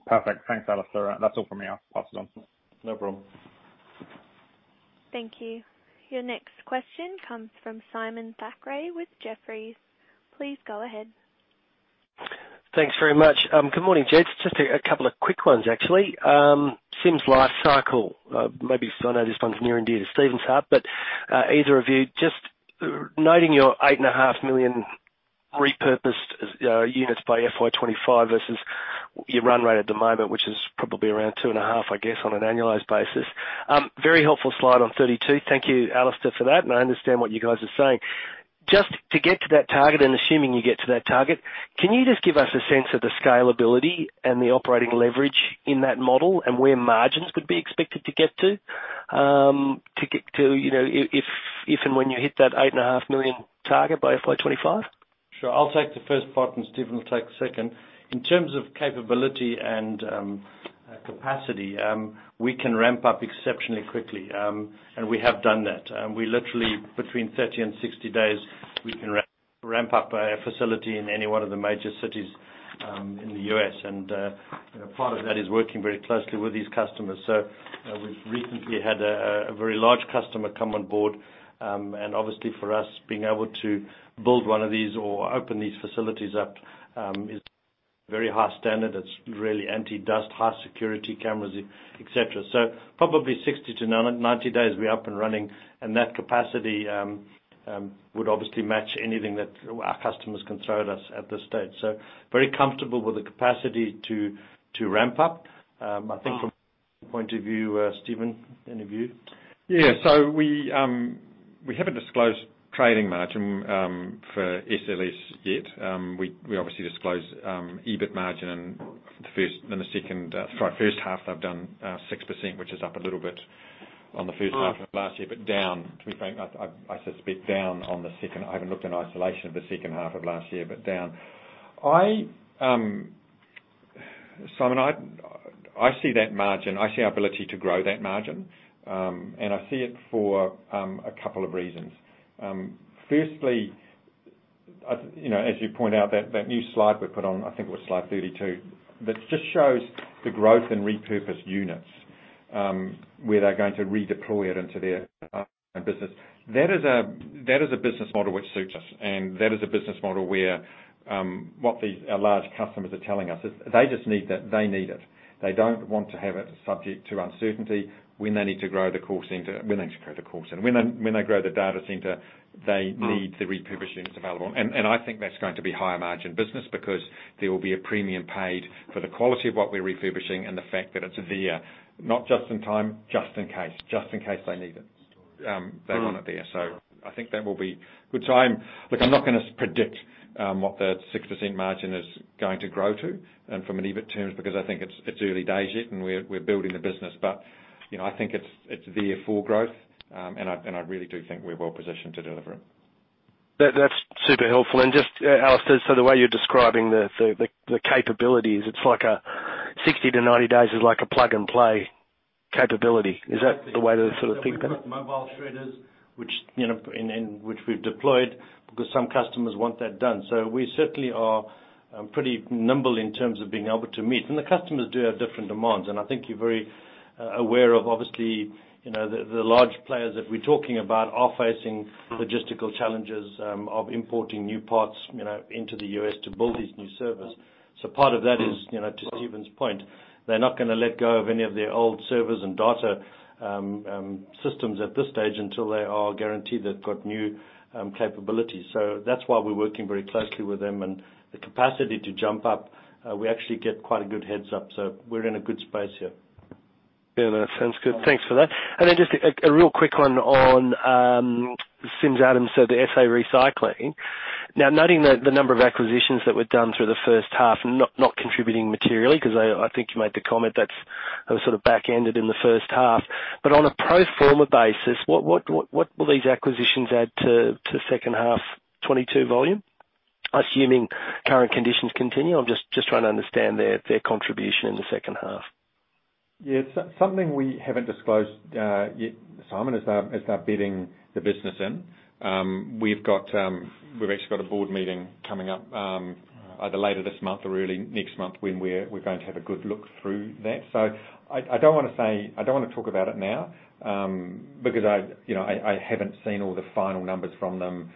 Perfect. Thanks, Alistair. That's all from me. I'll pass it on. No problem. Thank you. Your next question comes from Simon Thackray with Jefferies. Please go ahead. Thanks very much. Good morning, gents. Just a couple of quick ones, actually. Sims Lifecycle. Maybe I know this one's near and dear to Stephen's heart, but either of you just noting your 8.5 million repurposed units by FY 2025 versus your run rate at the moment, which is probably around 2.5, I guess, on an annualized basis. Very helpful slide 32. Thank you, Alistair, for that. I understand what you guys are saying. Just to get to that target and assuming you get to that target, can you just give us a sense of the scalability and the operating leverage in that model and where margins could be expected to get to, you know, if and when you hit that 8.5 million target by FY 2025? Sure. I'll take the first part, and Stephen will take the second. In terms of capability and capacity, we can ramp up exceptionally quickly. We have done that. We literally between 30 and 60 days, we can ramp up a facility in any one of the major cities in the U.S. Part of that is working very closely with these customers. We've recently had a very large customer come on board. Obviously for us, being able to build one of these or open these facilities up is very high standard. It's really anti-dust, high security cameras, et cetera. Probably 60 to 90 days, we're up and running and that capacity would obviously match anything that our customers can throw at us at this stage. Very comfortable with the capacity to ramp up. I think from your point of view, Stephen, any view? Yeah. We haven't disclosed trading margin for SLS yet. We obviously disclose EBIT margin in the first, sorry, first half. I've done 6%, which is up a little bit on the first half of last year, but down, to be frank, I suspect down on the second. I haven't looked in isolation of the second half of last year, but down. Simon, I see that margin. I see our ability to grow that margin, and I see it for a couple of reasons. Firstly, you know, as you point out, that new slide we put on, I think it was slide 32, that just shows the growth in repurposed units, where they're going to redeploy it into their business. That is a business model which suits us, and that is a business model where what these our large customers are telling us is they just need that. They need it. They don't want to have it subject to uncertainty when they need to grow the call center, when they grow the data center, they need the refurbished units available. I think that's going to be higher margin business because there will be a premium paid for the quality of what we're refurbishing and the fact that it's there, not just in time, just in case they need it. They want it there. I think that will be a good time. Look, I'm not gonna predict what the 6% margin is going to grow to and from an EBIT terms, because I think it's early days yet, and we're building the business. You know, I think it's there for growth, and I really do think we're well positioned to deliver it. That, that's super helpful. Just, Alistair, so the way you're describing the capabilities, it's like a 60-90 days is like a plug-and-play capability. Is that the way to sort of think that? We've got mobile shredders which we've deployed because some customers want that done. We certainly are pretty nimble in terms of being able to meet. The customers do have different demands, and I think you're very aware of obviously the large players that we're talking about are facing logistical challenges of importing new parts you know into the U.S. to build these new servers. Part of that is to Stephen's point, they're not gonna let go of any of their old servers and data systems at this stage until they are guaranteed they've got new capabilities. That's why we're working very closely with them and the capacity to jump up we actually get quite a good heads up, so we're in a good space here. Yeah, that sounds good. Thanks for that. Then just a real quick one on SA Recycling, so the SA Recycling. Now, noting that the number of acquisitions that were done through the first half and not contributing materially, 'cause I think you made the comment that's sort of backended in the first half. On a pro forma basis, what will these acquisitions add to second half 2022 volume, assuming current conditions continue? I'm just trying to understand their contribution in the second half. Yeah. It's something we haven't disclosed yet, Simon, is our bidding the business in. We've actually got a board meeting coming up either later this month or early next month when we're going to have a good look through that. I don't wanna say. I don't wanna talk about it now because, you know, I haven't seen all the final numbers from them,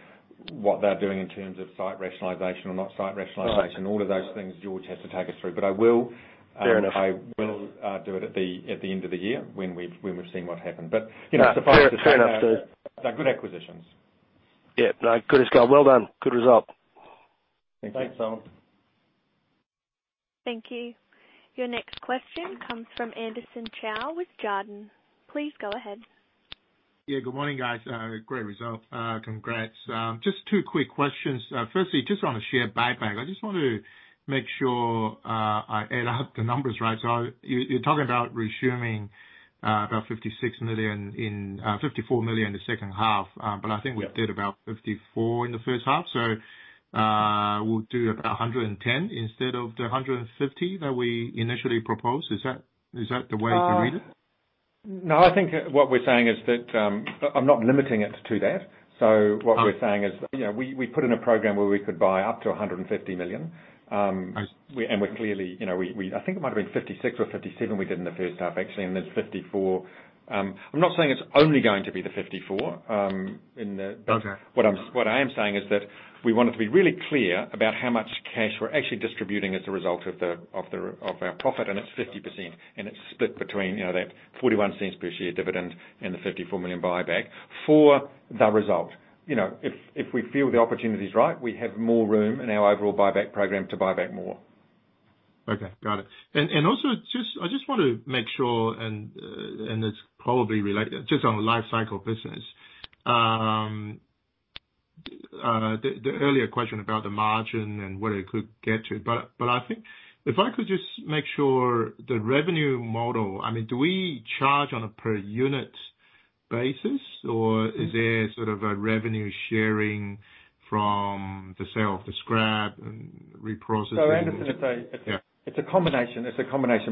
what they're doing in terms of site rationalization or not site rationalization, all of those things George has to take us through. But I will- Fair enough. I will do it at the end of the year when we've seen what happened. You know, suffice to say. No, fair enough, Steve. They're good acquisitions. Yeah. No. Good. It's gone well done. Good result. Thanks. Thanks, Simon. Thank you. Your next question comes from Anderson Chow with Jarden. Please go ahead. Yeah. Good morning, guys. Great result. Congrats. Just two quick questions. Firstly, just on the share buyback. I just wanted to make sure I add up the numbers right. You're talking about resuming about 56 million in, 54 million in the second half. I think we did about 54 million in the first half. We'll do about 110 million instead of the 150 million that we initially proposed. Is that the way to read it? No. I think what we're saying is that, I'm not limiting it to that. Oh. What we're saying is, you know, we put in a program where we could buy up to 150 million. I see. We clearly, you know, I think it might have been 56 million or 57 million we did in the first half, actually, and then 54 million. I'm not saying it's only going to be the 54 million, in the- Okay. What I am saying is that we wanted to be really clear about how much cash we're actually distributing as a result of our profit, and it's 50%, and it's split between, you know, that 0.41 per share dividend and the 54 million buyback for the result. You know, if we feel the opportunity's right, we have more room in our overall buyback program to buy back more. Okay. Got it. Also, I just want to make sure, and it's probably related, just on the lifecycle business. The earlier question about the margin and where it could get to, but I think if I could just make sure the revenue model, I mean, do we charge on a per unit basis, or is there sort of a revenue sharing from the sale of the scrap and reprocessing? Anderson, it's a- Yeah. It's a combination.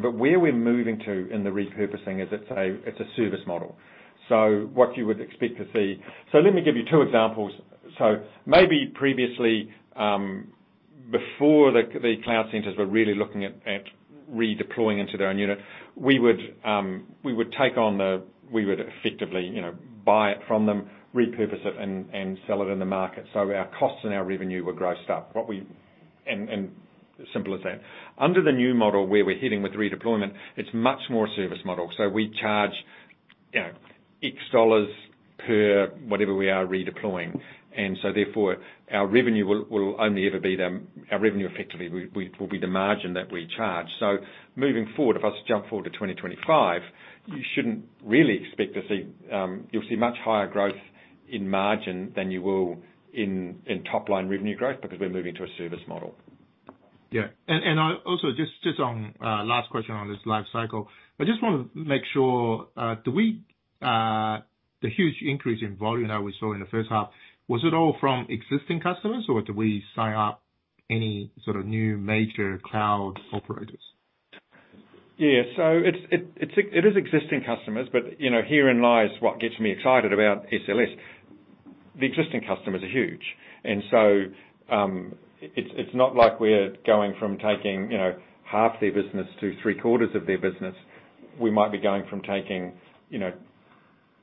Where we're moving to in the repurposing is it's a service model. What you would expect to see. Let me give you two examples. Maybe previously, before the cloud centers were really looking at redeploying into their own unit, we would effectively, you know, buy it from them, repurpose it and sell it in the market. Our costs and our revenue were grossed up. Simple as that. Under the new model where we're heading with redeployment, it's much more a service model. We charge, you know, X dollar per whatever we are redeploying. Therefore our revenue will only ever be the, our revenue effectively will be the margin that we charge. Moving forward, if I was to jump forward to 2025, you shouldn't really expect to see you'll see much higher growth in margin than you will in top line revenue growth because we're moving to a service model. Yeah. I also just on last question on this life cycle. I just wanna make sure, the huge increase in volume that we saw in the first half, was it all from existing customers or did we sign up any sort of new major cloud operators? Yeah. It is existing customers, but, you know, herein lies what gets me excited about SLS. The existing customers are huge. It's not like we're going from taking, you know, half their business to three-quarters of their business. We might be going from taking, you know,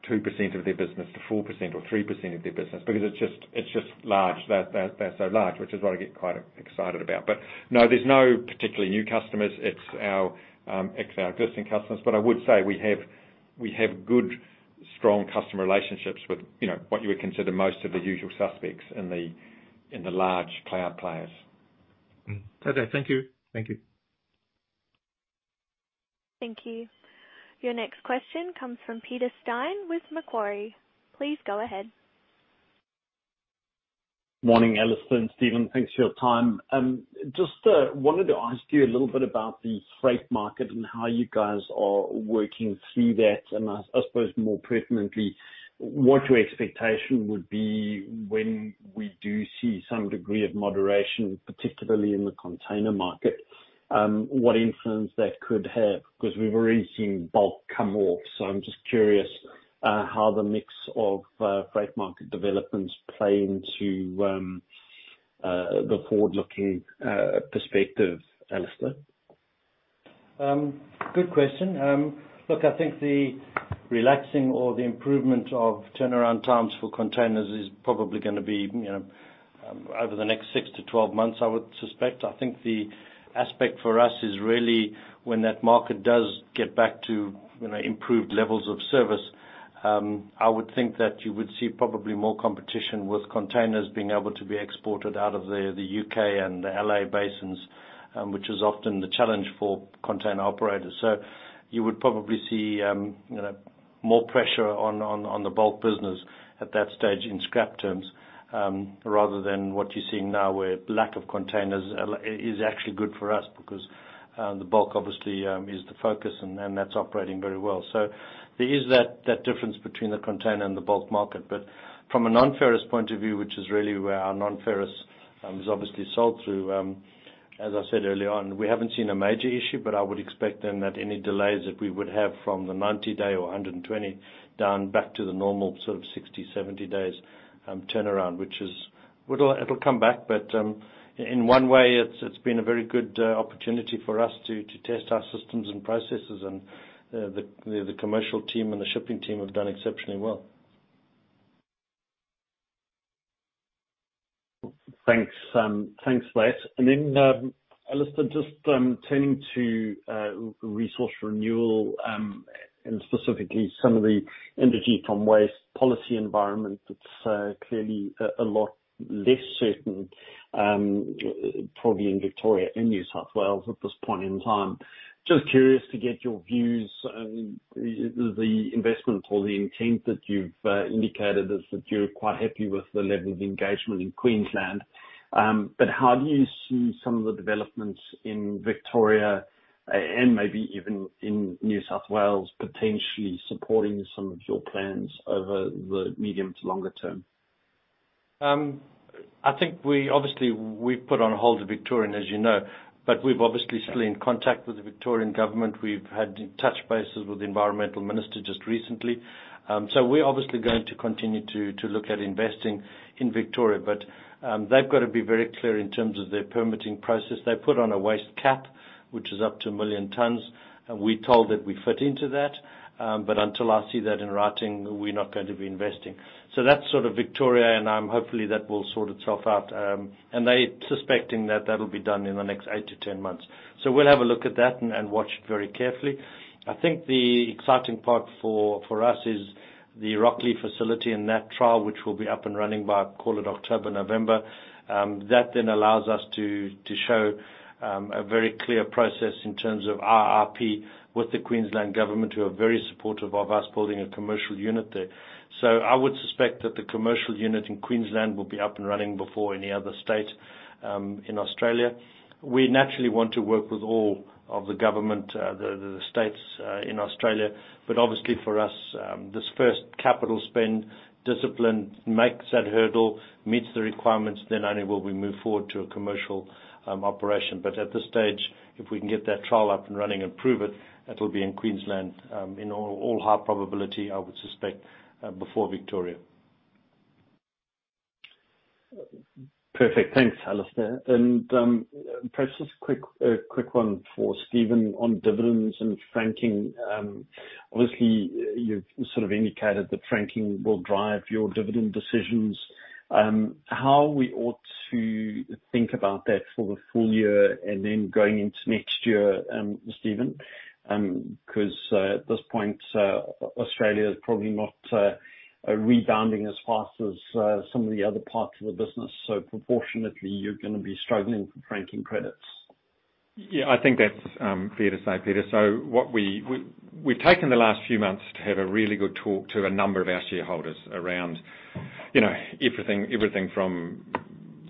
2% of their business to 4% or 3% of their business because it's just large. They're so large, which is what I get quite excited about. No, there's no particularly new customers. It's our existing customers. I would say we have good, strong customer relationships with, you know, what you would consider most of the usual suspects in the large cloud players. Okay. Thank you. Thank you. Thank you. Your next question comes from Peter Steyn with Macquarie. Please go ahead. Morning, Alistair and Stephen. Thanks for your time. Just wanted to ask you a little bit about the freight market and how you guys are working through that. I suppose more pertinently, what your expectation would be when we do see some degree of moderation, particularly in the container market, what influence that could have, 'cause we've already seen bulk come off. I'm just curious, how the mix of freight market developments play into the forward-looking perspective, Alistair. Good question. Look, I think the relaxing or the improvement of turnaround times for containers is probably gonna be, you know, over the next six to 12 months, I would suspect. I think the aspect for us is really when that market does get back to, you know, improved levels of service, I would think that you would see probably more competition with containers being able to be exported out of the U.K. and the L.A. basins, which is often the challenge for container operators. You would probably see, you know, more pressure on the bulk business at that stage in scrap terms, rather than what you're seeing now, where lack of containers is actually good for us because the bulk obviously is the focus and that's operating very well. There is that difference between the container and the bulk market. From a non-ferrous point of view, which is really where our non-ferrous is obviously sold through, as I said earlier on, we haven't seen a major issue, but I would expect then that any delays that we would have from the 90-day or 120 days down back to the normal sort of 60 days-70 days turnaround. It'll come back, but in one way it's been a very good opportunity for us to test our systems and processes and the commercial team and the shipping team have done exceptionally well. Thanks. Thanks for that. Alistair, just turning to resource renewal, and specifically some of the energy from waste policy environment that's clearly a lot less certain, probably in Victoria and New South Wales at this point in time. Just curious to get your views on the investment or the intent that you've indicated is that you're quite happy with the level of engagement in Queensland. But how do you see some of the developments in Victoria and maybe even in New South Wales, potentially supporting some of your plans over the medium to longer term? I think we've obviously put on hold the Victorian, as you know, but we're still in contact with the Victorian Government. We've touched base with the environmental minister just recently. We're obviously going to continue to look at investing in Victoria. They've got to be very clear in terms of their permitting process. They put on a waste cap, which is up to 1 million tons. We're told that we fit into that, but until I see that in writing, we're not going to be investing. That's sort of Victoria, and I'm hopeful that will sort itself out. They're expecting that that'll be done in the next eight to 10 months. We'll have a look at that and watch very carefully. I think the exciting part for us is the Rocklea facility and that trial, which will be up and running by, call it October, November. That then allows us to show a very clear process in terms of our RP with the Queensland Government, who are very supportive of us building a commercial unit there. I would suspect that the commercial unit in Queensland will be up and running before any other state in Australia. We naturally want to work with all of the government, the states in Australia. Obviously for us, this first capital spend discipline makes that hurdle, meets the requirements, then only will we move forward to a commercial operation. At this stage, if we can get that trial up and running and prove it'll be in Queensland, in all high probability, I would suspect, before Victoria. Perfect. Thanks, Alistair. Perhaps just a quick one for Stephen on dividends and franking. Obviously, you've sort of indicated that franking will drive your dividend decisions. How we ought to think about that for the full year and then going into next year, Stephen, 'cause at this point Australia is probably not rebounding as fast as some of the other parts of the business, so proportionately you're gonna be struggling with franking credits. Yeah. I think that's fair to say, Peter. What we've taken the last few months to have a really good talk to a number of our shareholders around, you know, everything from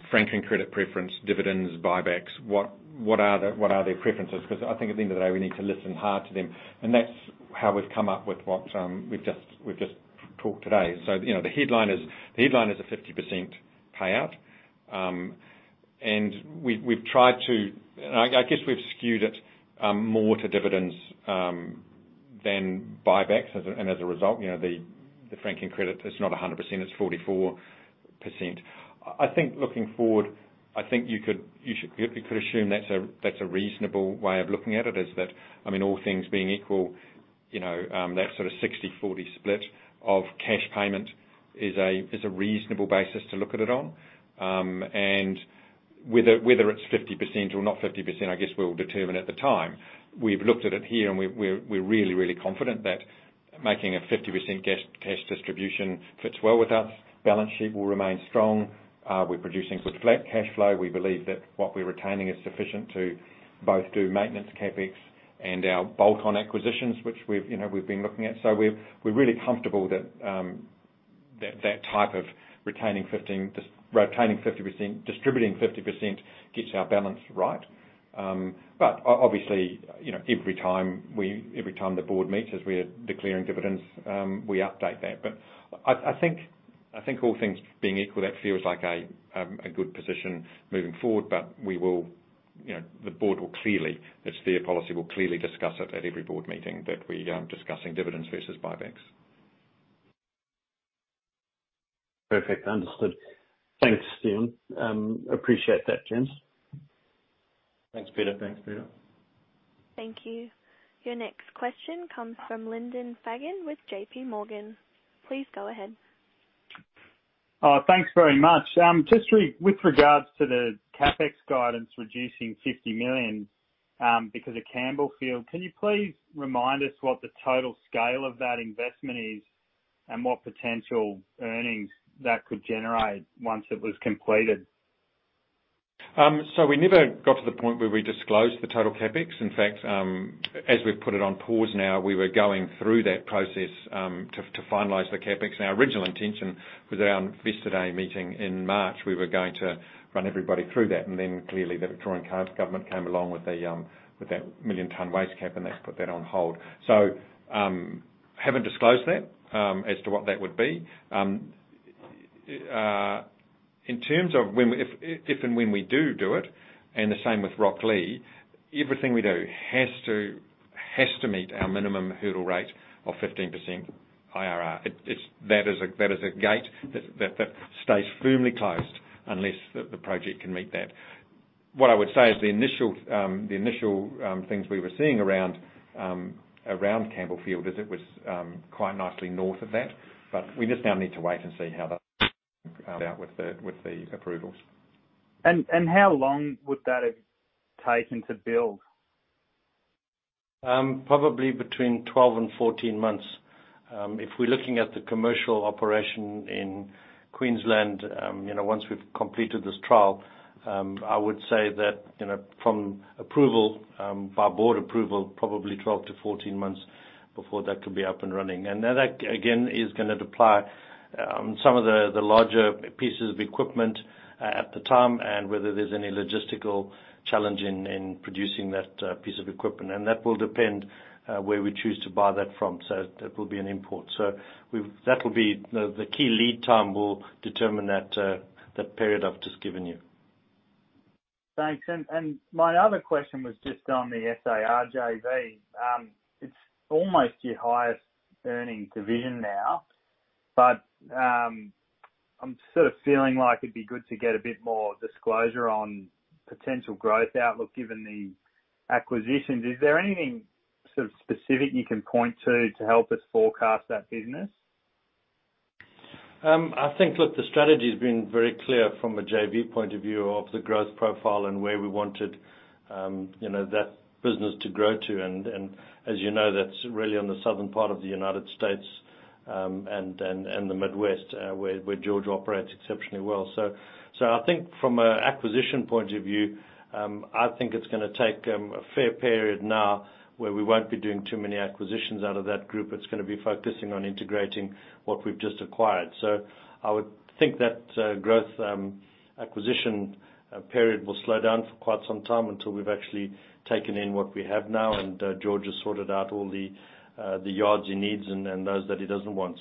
franking credit preference, dividends, buybacks, what are their preferences? Because I think at the end of the day, we need to listen hard to them. That's how we've come up with what we've just talked about today. You know, the headline is a 50% payout. We've tried to. I guess we've skewed it more to dividends than buybacks. As a result, you know, the franking credit, it's not 100%, it's 44%. I think looking forward, I think you could assume that's a reasonable way of looking at it is that, I mean, all things being equal, you know, that sort of 60/40 split of cash payment is a reasonable basis to look at it on. Whether it's 50% or not 50%, I guess we'll determine at the time. We've looked at it here, and we're really confident that making a 50% cash distribution fits well with us. Balance sheet will remain strong. We're producing good flat cash flow. We believe that what we're retaining is sufficient to both do maintenance CapEx and our bolt-on acquisitions, which you know we've been looking at. We're really comfortable that that type of retaining 50%, distributing 50% gets our balance right. Obviously, you know, every time the board meets as we are declaring dividends, we update that. I think all things being equal, that feels like a good position moving forward. You know, the board will clearly, our fair policy will clearly discuss it at every board meeting that we are discussing dividends versus buybacks. Perfect. Understood. Thanks, Stephen. I appreciate that, gents. Thanks, Peter. Thank you. Your next question comes from Lyndon Fagan with JPMorgan. Please go ahead. Thanks very much. Just with regards to the CapEx guidance reducing 50 million, because of Campbellfield, can you please remind us what the total scale of that investment is and what potential earnings that could generate once it was completed? We never got to the point where we disclosed the total CapEx. In fact, as we've put it on pause now, we were going through that process to finalize the CapEx. Our original intention with our Investor Day meeting in March, we were going to run everybody through that. Clearly the Victorian Government came along with that 1 million ton waste cap, and that's put that on hold. We haven't disclosed that as to what that would be. In terms of when, if and when we do it, and the same with Rocklea, everything we do has to meet our minimum hurdle rate of 15% IRR. It is a gate that stays firmly closed unless the project can meet that. What I would say is the initial things we were seeing around Campbellfield is that it was quite nicely north of that, but we just now need to wait and see how that turns out with the approvals. How long would that have taken to build? Probably between 12 months and 14 months. If we're looking at the commercial operation in Queensland, you know, once we've completed this trial, I would say that, you know, from approval via Board approval, probably 12 months-14 months before that could be up and running. That, again, is gonna apply some of the larger pieces of equipment at the time and whether there's any logistical challenge in producing that piece of equipment. That will depend where we choose to buy that from. That will be an import. That will be the key lead time will determine that period I've just given you. Thanks. My other question was just on the SA Recycling JV. It's almost your highest earning division now, but I'm sort of feeling like it'd be good to get a bit more disclosure on potential growth outlook given the acquisitions. Is there anything sort of specific you can point to help us forecast that business? I think, look, the strategy's been very clear from a JV point of view of the growth profile and where we wanted, you know, that business to grow to. As you know, that's really on the southern part of the United States, and the Midwest, where George operates exceptionally well. I think from an acquisition point of view, I think it's gonna take a fair period now where we won't be doing too many acquisitions out of that group. It's gonna be focusing on integrating what we've just acquired. I would think that growth acquisition period will slow down for quite some time until we've actually taken in what we have now and George has sorted out all the yards he needs and those that he doesn't want.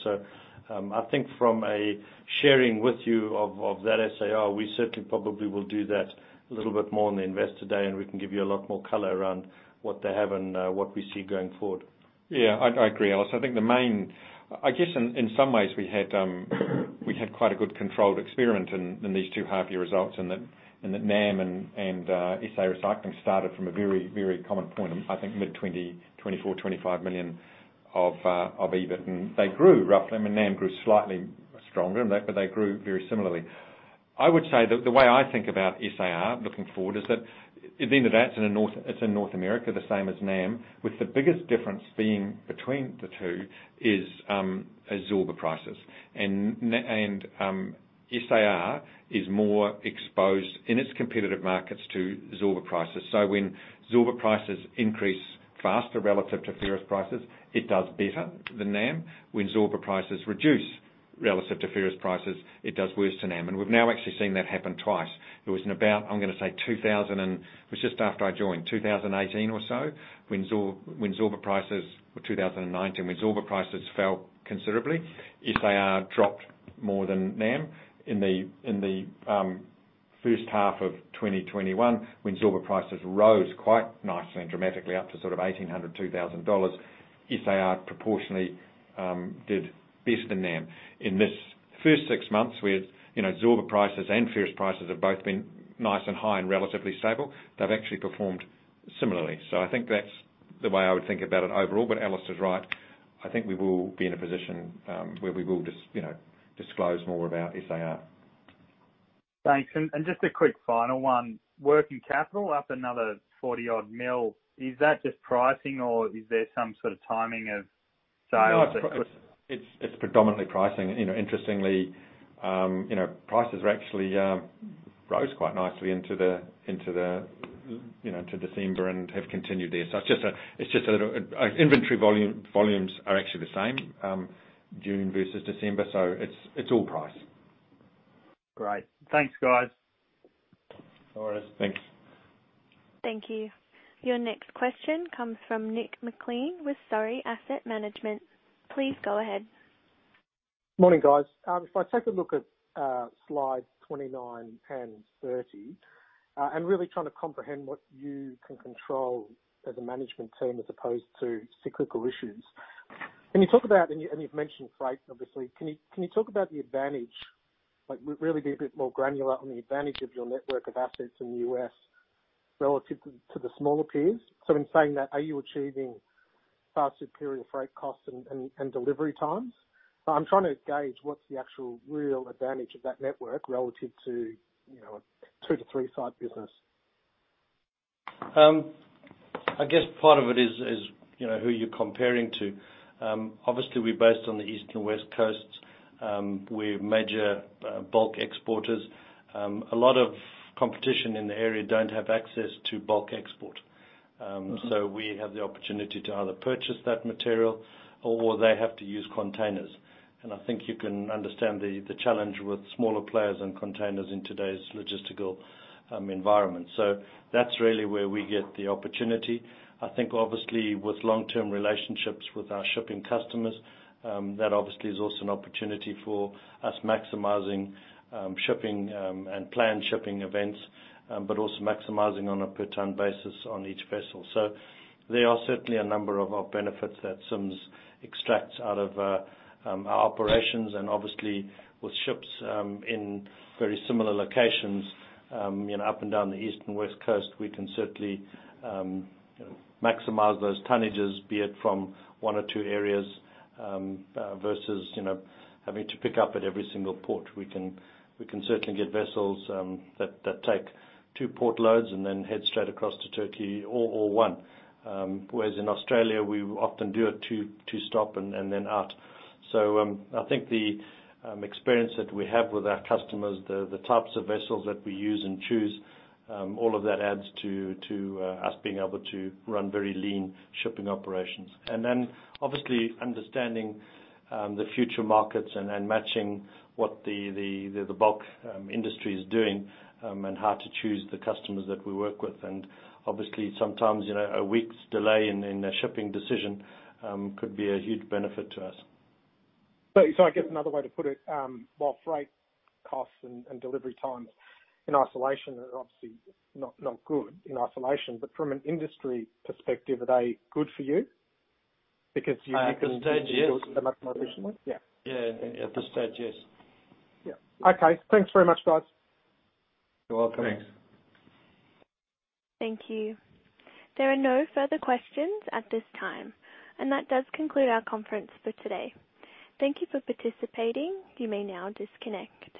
I think from a sharing with you of that SAR, we certainly probably will do that a little bit more in the Investor Day, and we can give you a lot more color around what they have and what we see going forward. Yeah, I agree, Alistair. I think the main. I guess in some ways we had quite a good controlled experiment in these two half-year results and that NAM and SA Recycling started from a very common point, I think 24 million-25 million of EBIT. They grew roughly. I mean, NAM grew slightly stronger, but they grew very similarly. I would say the way I think about SAR looking forward is that at the end of the day, it's in North America, the same as NAM, with the biggest difference between the two is Zorba prices. SAR is more exposed in its competitive markets to Zorba prices. When Zorba prices increase faster relative to ferrous prices, it does better than NAM. When Zorba prices reduce. Relative to ferrous prices, it does worse than NAM. We've now actually seen that happen twice. It was just after I joined, 2018 or 2019, when Zorba prices fell considerably. SAR dropped more than NAM in the first half of 2021 when Zorba prices rose quite nicely and dramatically up to sort of $1,800-$2,000. SAR proportionally did worse than them. In this first six months, you know, Zorba prices and ferrous prices have both been nice and high and relatively stable. They've actually performed similarly. I think that's the way I would think about it overall. Alistair is right. I think we will be in a position where we will disclose more about SAR. Thanks. Just a quick final one. Working capital up another 40-odd million. Is that just pricing or is there some sort of timing of sales that would? No, it's predominantly pricing. You know, interestingly, you know, prices actually rose quite nicely into the you know to December and have continued there. So it's just a little inventory volumes are actually the same, June versus December, so it's all price. Great. Thanks, guys. No worries. Thanks. Thank you. Your next question comes from Nick MacLean with Surrey Asset Management. Please go ahead. Morning, guys. If I take a look at slide 29 and 30, I'm really trying to comprehend what you can control as a management team as opposed to cyclical issues. Can you talk about what you've mentioned, freight, obviously. Can you talk about the advantage? Like, really be a bit more granular on the advantage of your network of assets in the U.S. relative to the smaller peers. In saying that, are you achieving far superior freight costs and delivery times? I'm trying to gauge what's the actual real advantage of that network relative to, you know, a two to three site business. I guess part of it is, you know, who you're comparing to. Obviously we're based on the east and west coasts. We're major bulk exporters. A lot of competition in the area don't have access to bulk export. We have the opportunity to either purchase that material or they have to use containers. I think you can understand the challenge with smaller players and containers in today's logistical environment. That's really where we get the opportunity. I think obviously with long-term relationships with our shipping customers, that obviously is also an opportunity for us maximizing shipping and planned shipping events, but also maximizing on a per ton basis on each vessel. There are certainly a number of our benefits that Sims extracts out of our operations and obviously with ships in very similar locations, you know, up and down the east and west coast, we can certainly maximize those tonnages, be it from one or two areas versus, you know, having to pick up at every single port. We can certainly get vessels that take two port loads and then head straight across to Turkey or one. Whereas in Australia we often do a two stop and then out. I think the experience that we have with our customers, the types of vessels that we use and choose, all of that adds to us being able to run very lean shipping operations. Obviously understanding the future markets and matching what the bulk industry is doing, and how to choose the customers that we work with. Obviously sometimes, you know, a week's delay in a shipping decision could be a huge benefit to us. I guess another way to put it, while freight costs and delivery times in isolation are obviously not good in isolation, but from an industry perspective, are they good for you? Because you- At this stage, yes. much more efficiently? Yeah. Yeah. At this stage, yes. Yeah. Okay. Thanks very much, guys. You're welcome. Thanks. Thank you. There are no further questions at this time, and that does conclude our conference for today. Thank you for participating. You may now disconnect.